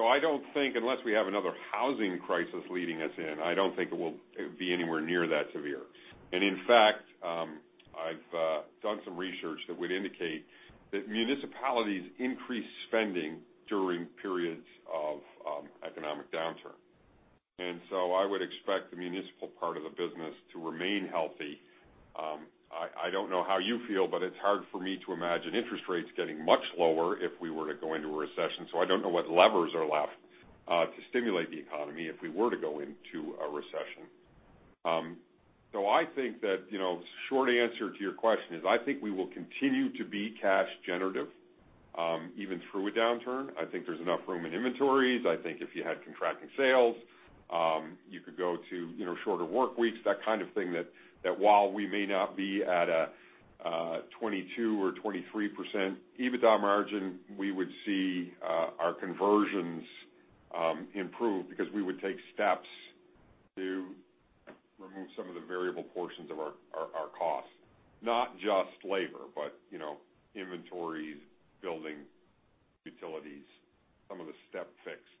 I don't think, unless we have another housing crisis leading us in, I don't think it will be anywhere near that severe. In fact, I've done some research that would indicate that municipalities increase spending during periods of economic downturn. I would expect the municipal part of the business to remain healthy. I don't know how you feel, it's hard for me to imagine interest rates getting much lower if we were to go into a recession. I don't know what levers are left to stimulate the economy if we were to go into a recession. I think that, short answer to your question is, I think we will continue to be cash generative, even through a downturn. I think there's enough room in inventories. I think if you had contracting sales, you could go to shorter work weeks, that kind of thing, that while we may not be at a 22% or 23% EBITDA margin, we would see our conversions improve because we would take steps to remove some of the variable portions of our costs. Not just labor, but inventories, building, utilities, some of the step-fixed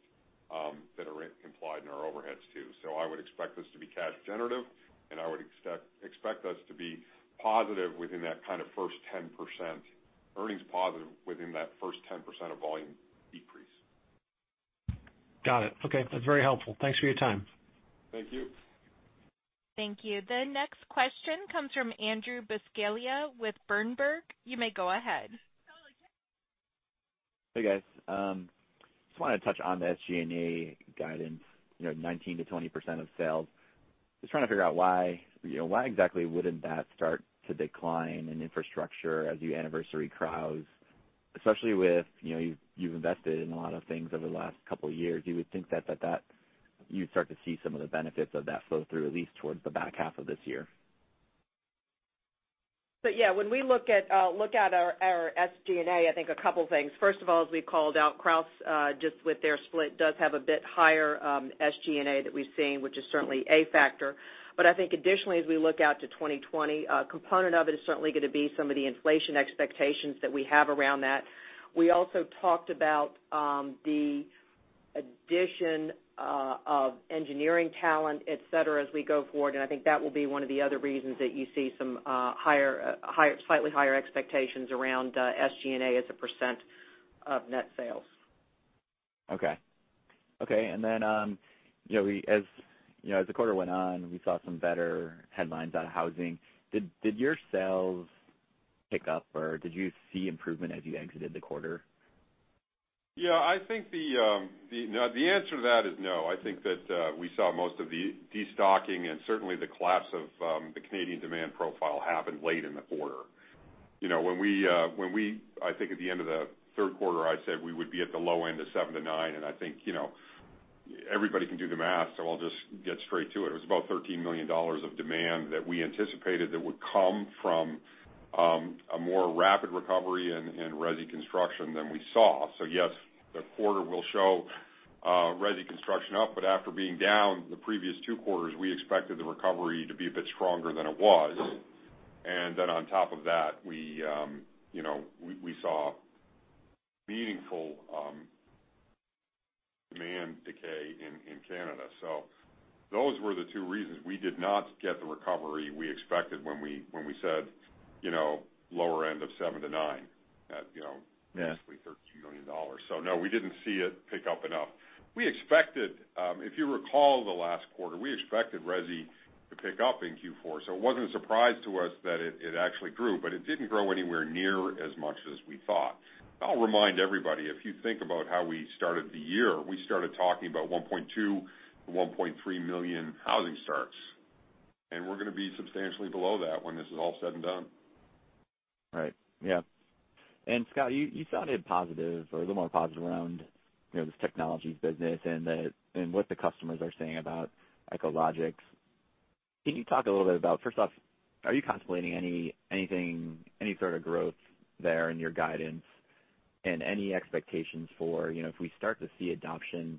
that are implied in our overheads, too. I would expect us to be cash generative, and I would expect us to be earnings positive within that first 10% of volume decrease. Got it. Okay. That's very helpful. Thanks for your time. Thank you. Thank you. The next question comes from Andrew Buscaglia with Berenberg. You may go ahead. Hey, guys. Just wanted to touch on the SG&A guidance, 19%-20% of sales. Just trying to figure out why exactly wouldn't that start to decline in infrastructure as you anniversary Krausz, especially with you've invested in a lot of things over the last couple of years, you would think that you'd start to see some of the benefits of that flow through, at least towards the back half of this year? When we look at our SG&A, I think a couple things. First of all, as we called out, Krausz, just with their split, does have a bit higher SG&A that we've seen, which is certainly a factor. I think additionally, as we look out to 2020, a component of it is certainly going to be some of the inflation expectations that we have around that. We also talked about the addition of engineering talent, et cetera, as we go forward, I think that will be one of the other reasons that you see some slightly higher expectations around SG&A as a percentage of net sales. Okay. As the quarter went on, we saw some better headlines out of housing. Did your sales pick up, or did you see improvement as you exited the quarter? I think the answer to that is no. I think that we saw most of the de-stocking and certainly the collapse of the Canadian demand profile happened late in the quarter. I think at the end of the third quarter, I said we would be at the low end of seven to nine, and I think everybody can do the math, so I'll just get straight to it. It was about $13 million of demand that we anticipated that would come from a more rapid recovery in resi construction than we saw. Yes, the quarter will show resi construction up, but after being down the previous two quarters, we expected the recovery to be a bit stronger than it was. On top of that, we saw meaningful demand decay in Canada. Those were the two reasons we did not get the recovery we expected when we said lower end of seven to nine at basically $13 million. No, we didn't see it pick up enough. If you recall the last quarter, we expected resi to pick up in Q4, so it wasn't a surprise to us that it actually grew, but it didn't grow anywhere near as much as we thought. I'll remind everybody, if you think about how we started the year, we started talking about 1.2 million-1.3 million housing starts. We're going to be substantially below that when this is all said and done. Right. Yeah. Scott, you sounded positive or a little more positive around this technologies business and what the customers are saying about Echologics. Can you talk a little bit about, first off, are you contemplating any sort of growth there in your guidance and any expectations for if we start to see adoption,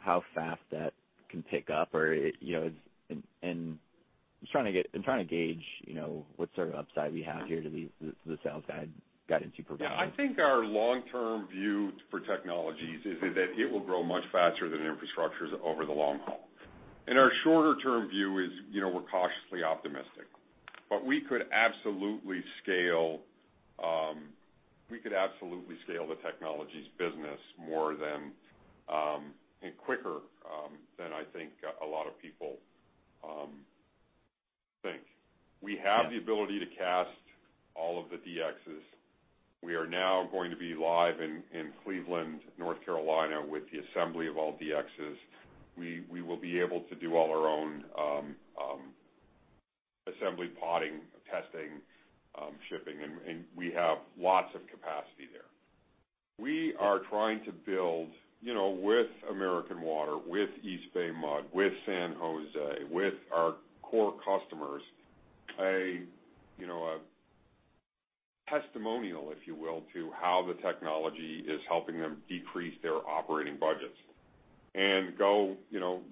how fast that can pick up? I'm trying to gauge what sort of upside we have here to the sales guidance you provided. Yeah, I think our long-term view for technologies is that it will grow much faster than infrastructures over the long haul. Our shorter-term view is we're cautiously optimistic. We could absolutely scale the technologies business more than, and quicker than I think a lot of people think. We have the ability to cast all of the DXs. We are now going to be live in Cleveland, North Carolina, with the assembly of all DXs. We will be able to do all our own assembly, potting, testing, shipping, and we have lots of capacity there. We are trying to build with American Water, with East Bay MUD, with San Jose, with our core customers. A testimonial, if you will, to how the technology is helping them decrease their operating budgets and go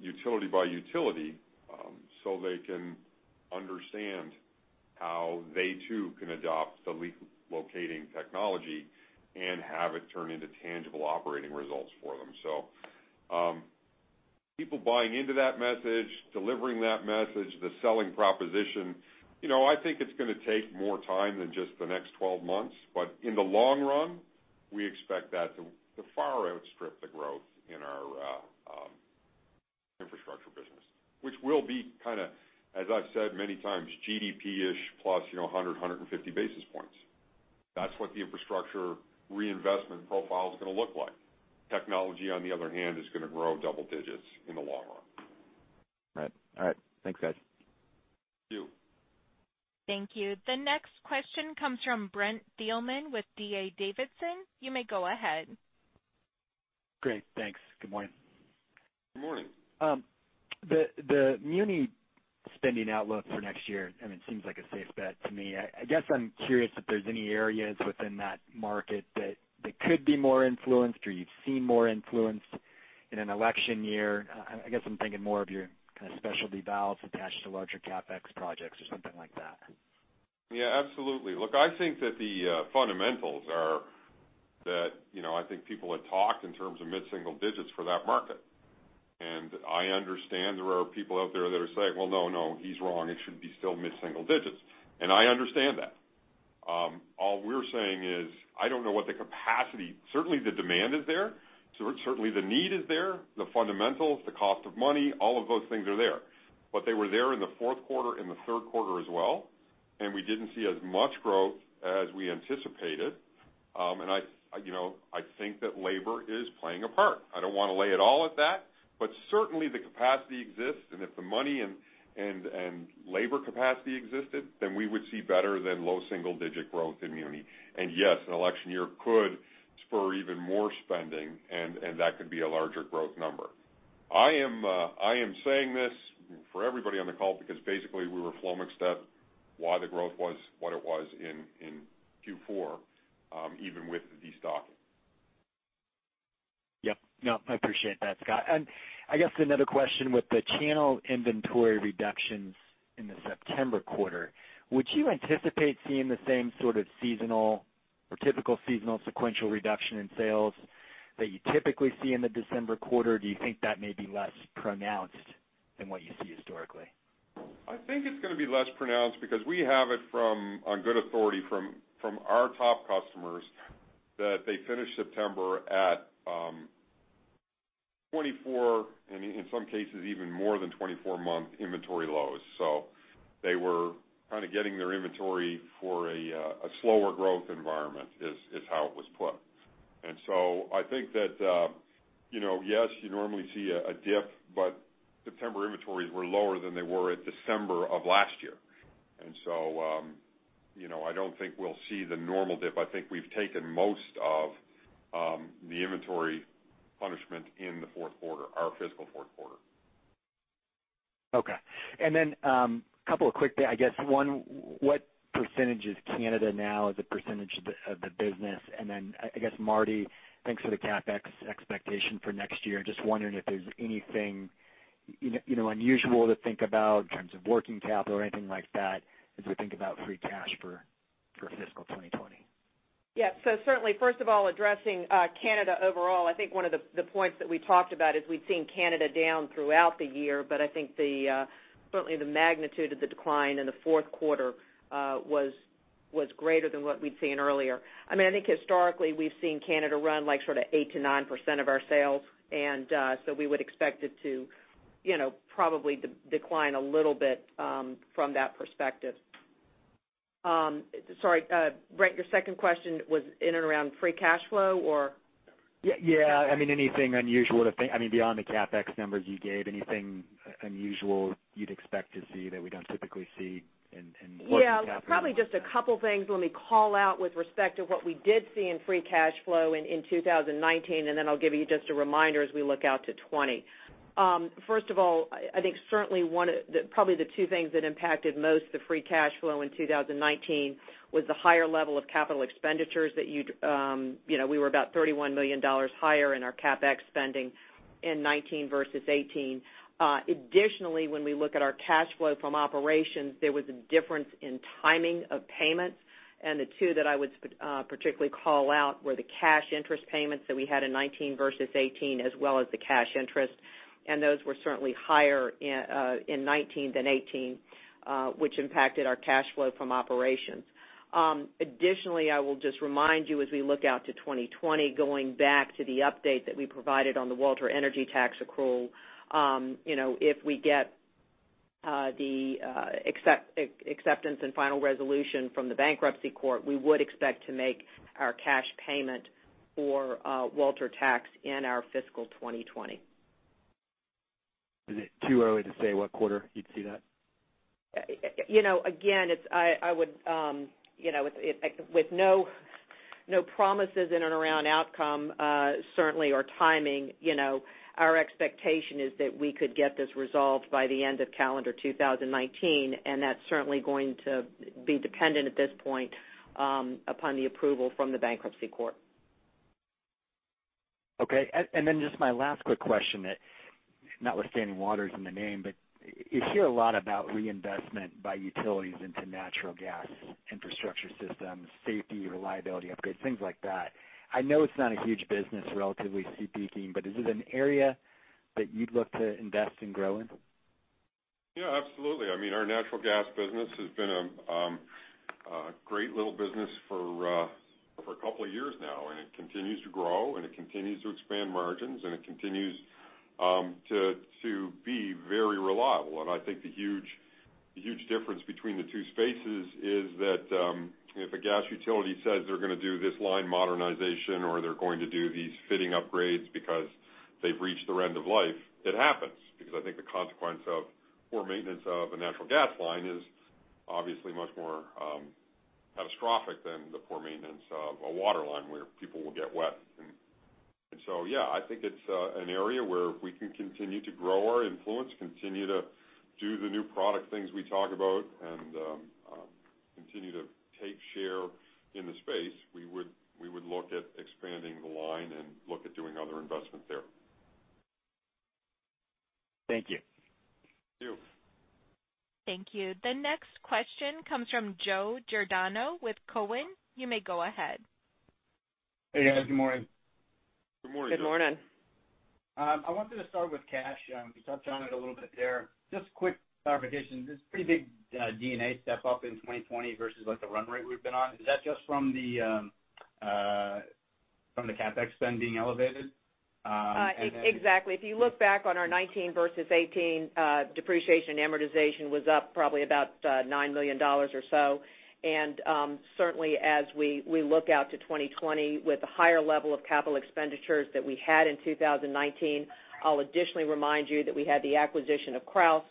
utility by utility, so they can understand how they too can adopt the leak locating technology and have it turn into tangible operating results for them. People buying into that message, delivering that message, the selling proposition, I think it's going to take more time than just the next 12 months, but in the long run, we expect that to far outstrip the growth in our infrastructure business. Will be kind of, as I've said many times, GDP-ish plus, 100, 150 basis points. That's what the infrastructure reinvestment profile is going to look like. Technology, on the other hand, is going to grow double digits in the long run. Right. All right. Thanks, guys. Thank you. Thank you. The next question comes from Brent Thielman with D.A. Davidson. You may go ahead. Great. Thanks. Good morning. Good morning. The muni spending outlook for next year, I mean, it seems like a safe bet to me. I guess I'm curious if there's any areas within that market that could be more influenced or you've seen more influence in an election year. I guess I'm thinking more of your kind of specialty valves attached to larger CapEx projects or something like that. Yeah, absolutely. Look, I think that the fundamentals are that, I think people had talked in terms of mid-single digits for that market. I understand there are people out there that are saying, "Well, no, he's wrong. It should be still mid-single digits." I understand that. All we're saying is, I don't know what the capacity. Certainly the demand is there. Certainly the need is there. The fundamentals, the cost of money, all of those things are there. They were there in the fourth quarter, in the third quarter as well, and we didn't see as much growth as we anticipated. I think that labor is playing a part. I don't want to lay it all at that, but certainly the capacity exists, and if the money and labor capacity existed, then we would see better than low single digit growth in muni. Yes, an election year could spur even more spending and that could be a larger growth number. I am saying this for everybody on the call because basically we were flummoxed at why the growth was what it was in Q4, even with the destocking. Yep. I appreciate that, Scott. I guess another question with the channel inventory reductions in the September quarter, would you anticipate seeing the same sort of seasonal or typical seasonal sequential reduction in sales that you typically see in the December quarter? Do you think that may be less pronounced than what you see historically? I think it's going to be less pronounced because we have it on good authority from our top customers that they finished September at 24, and in some cases even more than 24-month inventory lows. They were kind of getting their inventory for a slower growth environment, is how it was put. I think that yes, you normally see a dip, but September inventories were lower than they were at December of last year. I don't think we'll see the normal dip. I think we've taken most of the inventory punishment in the fourth quarter, our fiscal fourth quarter. Okay. And then, couple of quick, I guess one, what percentage is Canada now as a percentage of the business? I guess, Martie, thanks for the CapEx expectation for next year. Just wondering if there's anything unusual to think about in terms of working capital or anything like that as we think about free cash for fiscal 2020. Yeah. Certainly, first of all, addressing Canada overall, I think one of the points that we talked about is we've seen Canada down throughout the year, but I think certainly the magnitude of the decline in the fourth quarter was greater than what we'd seen earlier. I think historically, we've seen Canada run like sort of 8% to 9% of our sales, and so we would expect it to probably decline a little bit from that perspective. Sorry, Brent, your second question was in and around free cash flow, or? Yeah. Anything unusual, I mean, beyond the CapEx numbers you gave, anything unusual you'd expect to see that we don't typically see in working capital? Yeah. Probably just a couple things. Let me call out with respect to what we did see in free cash flow in 2019, and then I'll give you just a reminder as we look out to 2020. First of all, I think certainly, probably the two things that impacted most the free cash flow in 2019 was the higher level of capital expenditures. We were about $31 million higher in our CapEx spending in 2019 versus 2018. Additionally, when we look at our cash flow from operations, there was a difference in timing of payments, and the two that I would particularly call out were the cash interest payments that we had in 2019 versus 2018, as well as the cash interest. Those were certainly higher in 2019 than 2018, which impacted our cash flow from operations. Additionally, I will just remind you as we look out to 2020, going back to the update that we provided on the Walter Energy tax accrual. If we get the acceptance and final resolution from the bankruptcy court, we would expect to make our cash payment for Walter tax in our fiscal 2020. Is it too early to say what quarter you'd see that? With no promises in and around outcome, certainly, or timing. Our expectation is that we could get this resolved by the end of calendar 2019, that's certainly going to be dependent at this point upon the approval from the Bankruptcy Court. Okay. Just my last quick question that, notwithstanding water's in the name, but you hear a lot about reinvestment by utilities into natural gas infrastructure systems, safety, reliability upgrades, things like that. I know it's not a huge business relatively speaking, but is it an area that you'd look to invest and grow in? Yeah, absolutely. Our natural gas business has been a great little business for a couple of years now, and it continues to grow, and it continues to expand margins, and it continues to be very reliable. I think the huge difference between the two spaces is that, if a gas utility says they're going to do this line modernization, or they're going to do these fitting upgrades because they've reached their end of life, it happens. Because I think the consequence of poor maintenance of a natural gas line is obviously much more catastrophic than the poor maintenance of a water line where people will get wet. Yeah, I think it's an area where if we can continue to grow our influence, continue to do the new product things we talk about, and continue to take share in the space, we would look at expanding the line and look at doing other investment there. Thank you. Thank you. Thank you. The next question comes from Joe Giordano with Cowen. You may go ahead. Hey, guys. Good morning. Good morning, Joe. Good morning. I wanted to start with cash. You touched on it a little bit there. Just quick clarification, this pretty big D&A step-up in 2020 versus the run rate we've been on. Is that just from the CapEx spend being elevated? Exactly. If you look back on our 2019 versus 2018, depreciation and amortization was up probably about $9 million or so. Certainly as we look out to 2020 with a higher level of capital expenditures that we had in 2019, I'll additionally remind you that we had the acquisition of Krausz,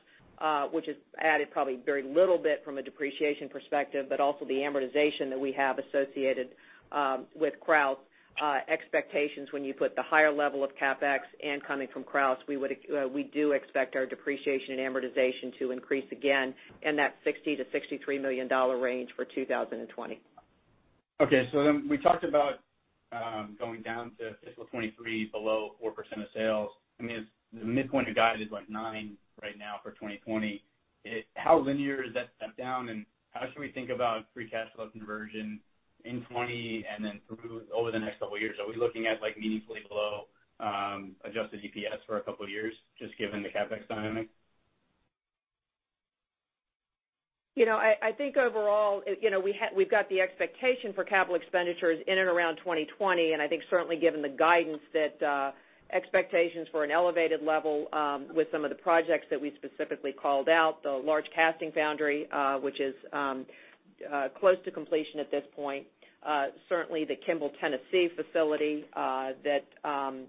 which has added probably very little bit from a depreciation perspective, but also the amortization that we have associated with Krausz expectations when you put the higher level of CapEx and coming from Krausz, we do expect our depreciation and amortization to increase again in that $60 million-$63 million range for 2020. Okay. We talked about going down to fiscal 2023 below 4% of sales. I mean, the midpoint of guidance is like nine right now for 2020. How linear is that step down, and how should we think about free cash flow conversion in 2020 and then through over the next couple of years? Are we looking at meaningfully below adjusted EPS for a couple of years just given the CapEx dynamic? I think overall, we've got the expectation for capital expenditures in and around 2020. I think certainly given the guidance that expectations for an elevated level with some of the projects that we specifically called out, the large casting foundry, which is close to completion at this point. Certainly the Kimball, Tennessee facility that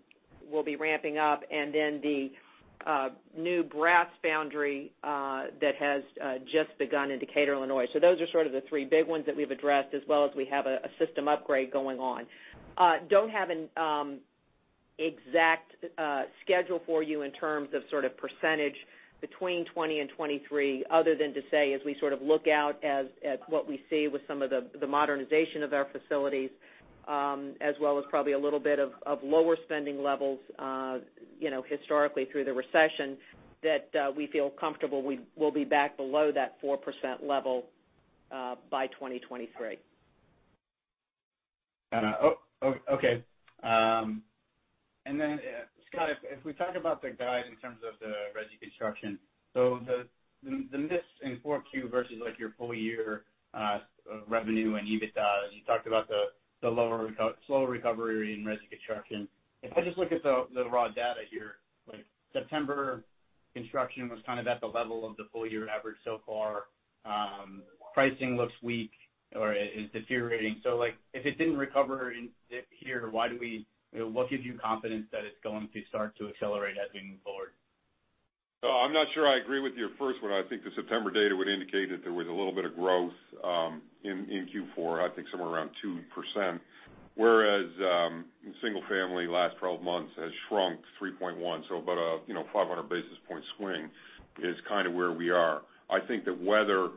we'll be ramping up, the new brass foundry that has just begun in Decatur, Illinois. Those are sort of the three big ones that we've addressed as well as we have a system upgrade going on. Don't have an exact schedule for you in terms of percentage between 2020 and 2023 other than to say as we sort of look out at what we see with some of the modernization of our facilities, as well as probably a little bit of lower spending levels historically through the recession that we feel comfortable we'll be back below that 4% level by 2023. Okay. Then Scott, if we talk about the guide in terms of the resi construction. The miss in 4Q versus your full year revenue and EBITDA, as you talked about the slow recovery in resi construction. If I just look at the raw data here, September construction was kind of at the level of the full-year average so far. Pricing looks weak or is deteriorating. If it didn't recover in here, what gives you confidence that it's going to start to accelerate as we move forward? I'm not sure I agree with you, first one, I think the September data would indicate that there was a little bit of growth in Q4, I think somewhere around 2%. Single family last 12 months has shrunk 3.1%. About a 500 basis point swing is kind of where we are. I think the weather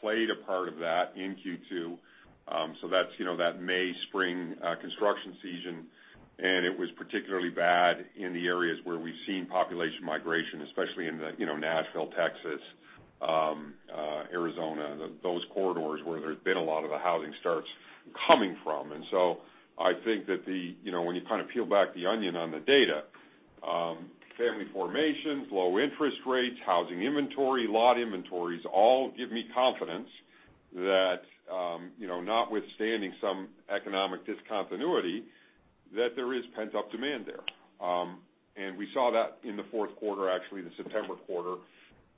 played a part of that in Q2. That May, spring construction season, and it was particularly bad in the areas where we've seen population migration, especially in Nashville, Texas, Arizona, those corridors where there's been a lot of the housing starts coming from. I think that when you kind of peel back the onion on the data, family formations, low interest rates, housing inventory, lot inventories, all give me confidence that, notwithstanding some economic discontinuity, that there is pent-up demand there. We saw that in the fourth quarter, actually the September quarter,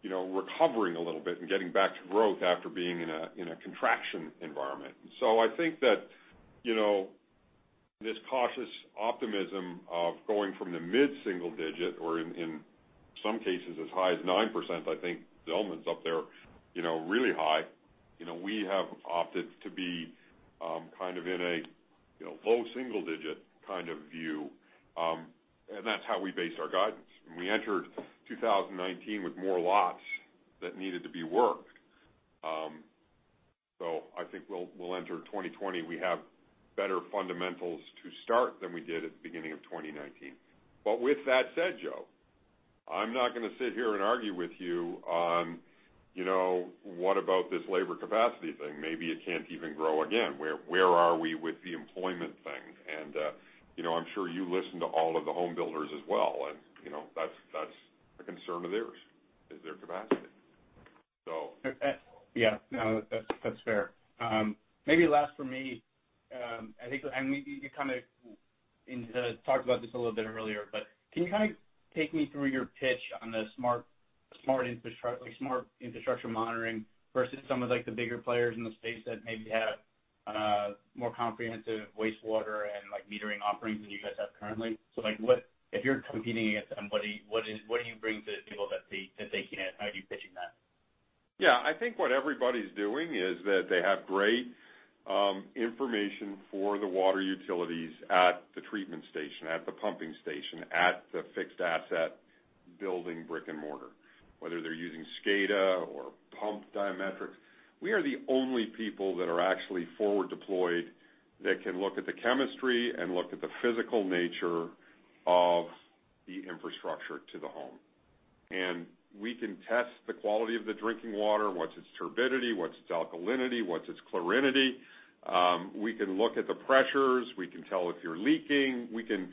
recovering a little bit and getting back to growth after being in a contraction environment. I think this cautious optimism of going from the mid-single digit or in some cases as high as 9%, I think Delmond's up there, really high. We have opted to be in a low single digit kind of view, and that's how we based our guidance. We entered 2019 with more lots that needed to be worked. I think we'll enter 2020, we have better fundamentals to start than we did at the beginning of 2019. With that said, Joe, I'm not gonna sit here and argue with you on, what about this labor capacity thing? Maybe it can't even grow again. Where are we with the employment thing? I'm sure you listen to all of the home builders as well, and that's a concern of theirs, is their capacity. Yeah. No, that's fair. Maybe last for me. We kind of talked about this a little bit earlier. Can you take me through your pitch on the smart infrastructure monitoring versus some of the bigger players in the space that maybe have more comprehensive wastewater and metering offerings than you guys have currently? If you're competing against them, what do you bring to the table that they can't? How are you pitching that? I think what everybody's doing is that they have great information for the water utilities at the treatment station, at the pumping station, at the fixed asset building, brick and mortar, whether they're using SCADA or pump diagnostics. We are the only people that are actually forward deployed that can look at the chemistry and look at the physical nature of the infrastructure to the home. We can test the quality of the drinking water, what's its turbidity, what's its alkalinity, what's its chlorinity. We can look at the pressures. We can tell if you're leaking. We can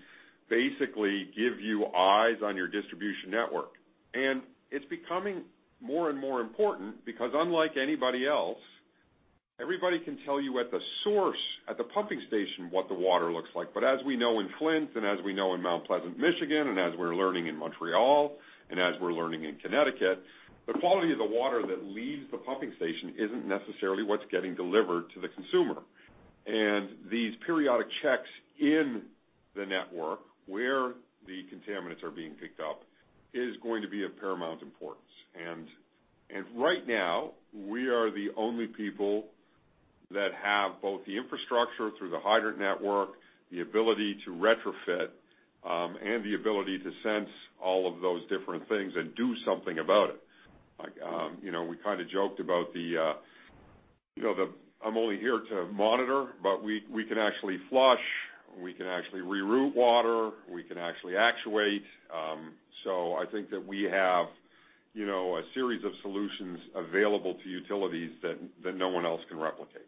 basically give you eyes on your distribution network. It's becoming more and more important because unlike anybody else, everybody can tell you at the source, at the pumping station, what the water looks like. As we know in Flint and as we know in Mount Pleasant, Michigan, and as we're learning in Montreal and as we're learning in Connecticut, the quality of the water that leaves the pumping station isn't necessarily what's getting delivered to the consumer. These periodic checks in the network, where the contaminants are being picked up, is going to be of paramount importance. Right now, we are the only people that have both the infrastructure through the hydrant network, the ability to retrofit, and the ability to sense all of those different things and do something about it. We kind of joked about the "I'm only here to monitor," but we can actually flush, we can actually re-route water, we can actually actuate. I think that we have a series of solutions available to utilities that no one else can replicate.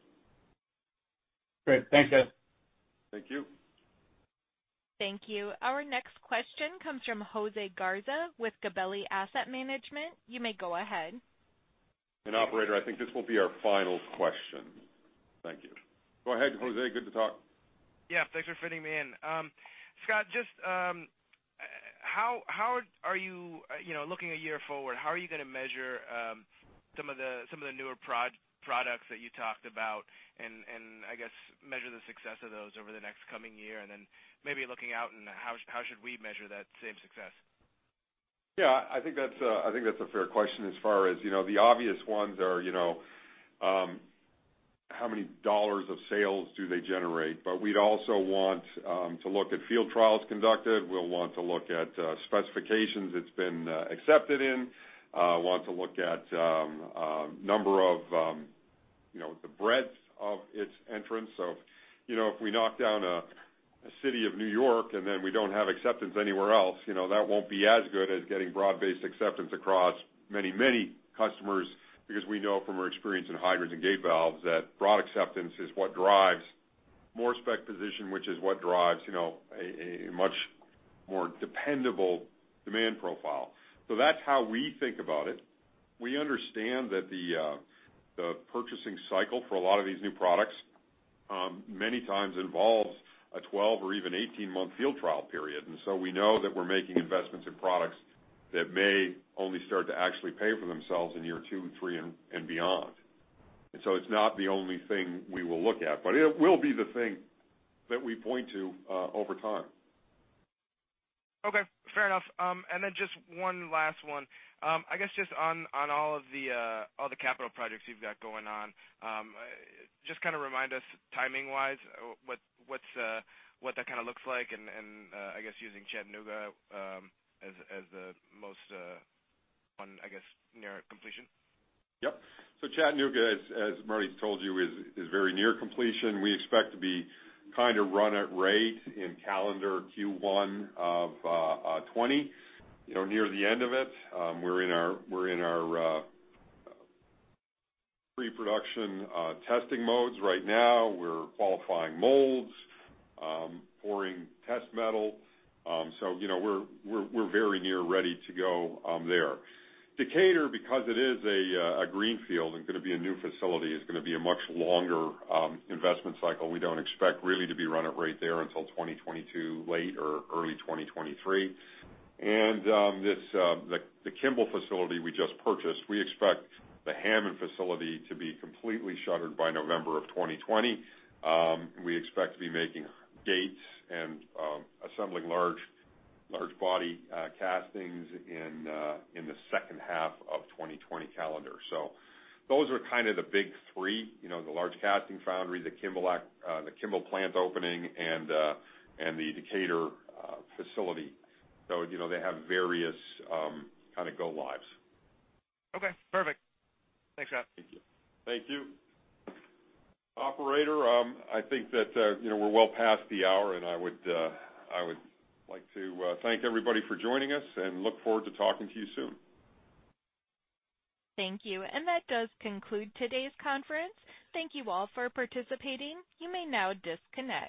Great. Thanks, Scott. Thank you. Thank you. Our next question comes from Jose Garza with Gabelli Asset Management. You may go ahead. Operator, I think this will be our final question. Thank you. Go ahead, Jose. Good to talk. Yeah, thanks for fitting me in. Scott, just looking a year forward, how are you gonna measure some of the newer products that you talked about and, I guess, measure the success of those over the next coming year, and then maybe looking out and how should we measure that same success? Yeah, I think that's a fair question as far as the obvious ones are, how many dollars of sales do they generate? We'd also want to look at field trials conducted, we'll want to look at specifications it's been accepted in, want to look at number of the breadth of its entrance. If we knock down a city of New York and then we don't have acceptance anywhere else, that won't be as good as getting broad-based acceptance across many, many customers because we know from our experience in hydrants and gate valves that broad acceptance is what drives more spec position, which is what drives a much more dependable demand profile. That's how we think about it. We understand that the purchasing cycle for a lot of these new products many times involves a 12 or even 18-month field trial period. We know that we're making investments in products that may only start to actually pay for themselves in year two, three, and beyond. It's not the only thing we will look at, but it will be the thing that we point to over time. Okay, fair enough. Just one last one. I guess just on all the capital projects you've got going on, just remind us timing-wise, what that looks like and, I guess using Chattanooga as the most one, I guess, near completion. Yep. Chattanooga, as Martie's told you, is very near completion. We expect to be run at rate in calendar Q1 of 2020. Near the end of it, we're in our pre-production testing modes right now. We're qualifying molds, pouring test metal. We're very near ready to go there. Decatur, because it is a greenfield and gonna be a new facility, is gonna be a much longer investment cycle. We don't expect really to be run at rate there until 2022 late or early 2023. The Kimball facility we just purchased, we expect the Hammond facility to be completely shuttered by November of 2020. We expect to be making gates and assembling large body castings in the second half of 2020 calendar. Those are kind of the big three, the large casting foundry, the Kimball plant opening, and the Decatur facility. They have various go lives. Okay, perfect. Thanks, Scott. Thank you. Operator, I think that we're well past the hour. I would like to thank everybody for joining us and look forward to talking to you soon. Thank you. That does conclude today's conference. Thank you all for participating. You may now disconnect.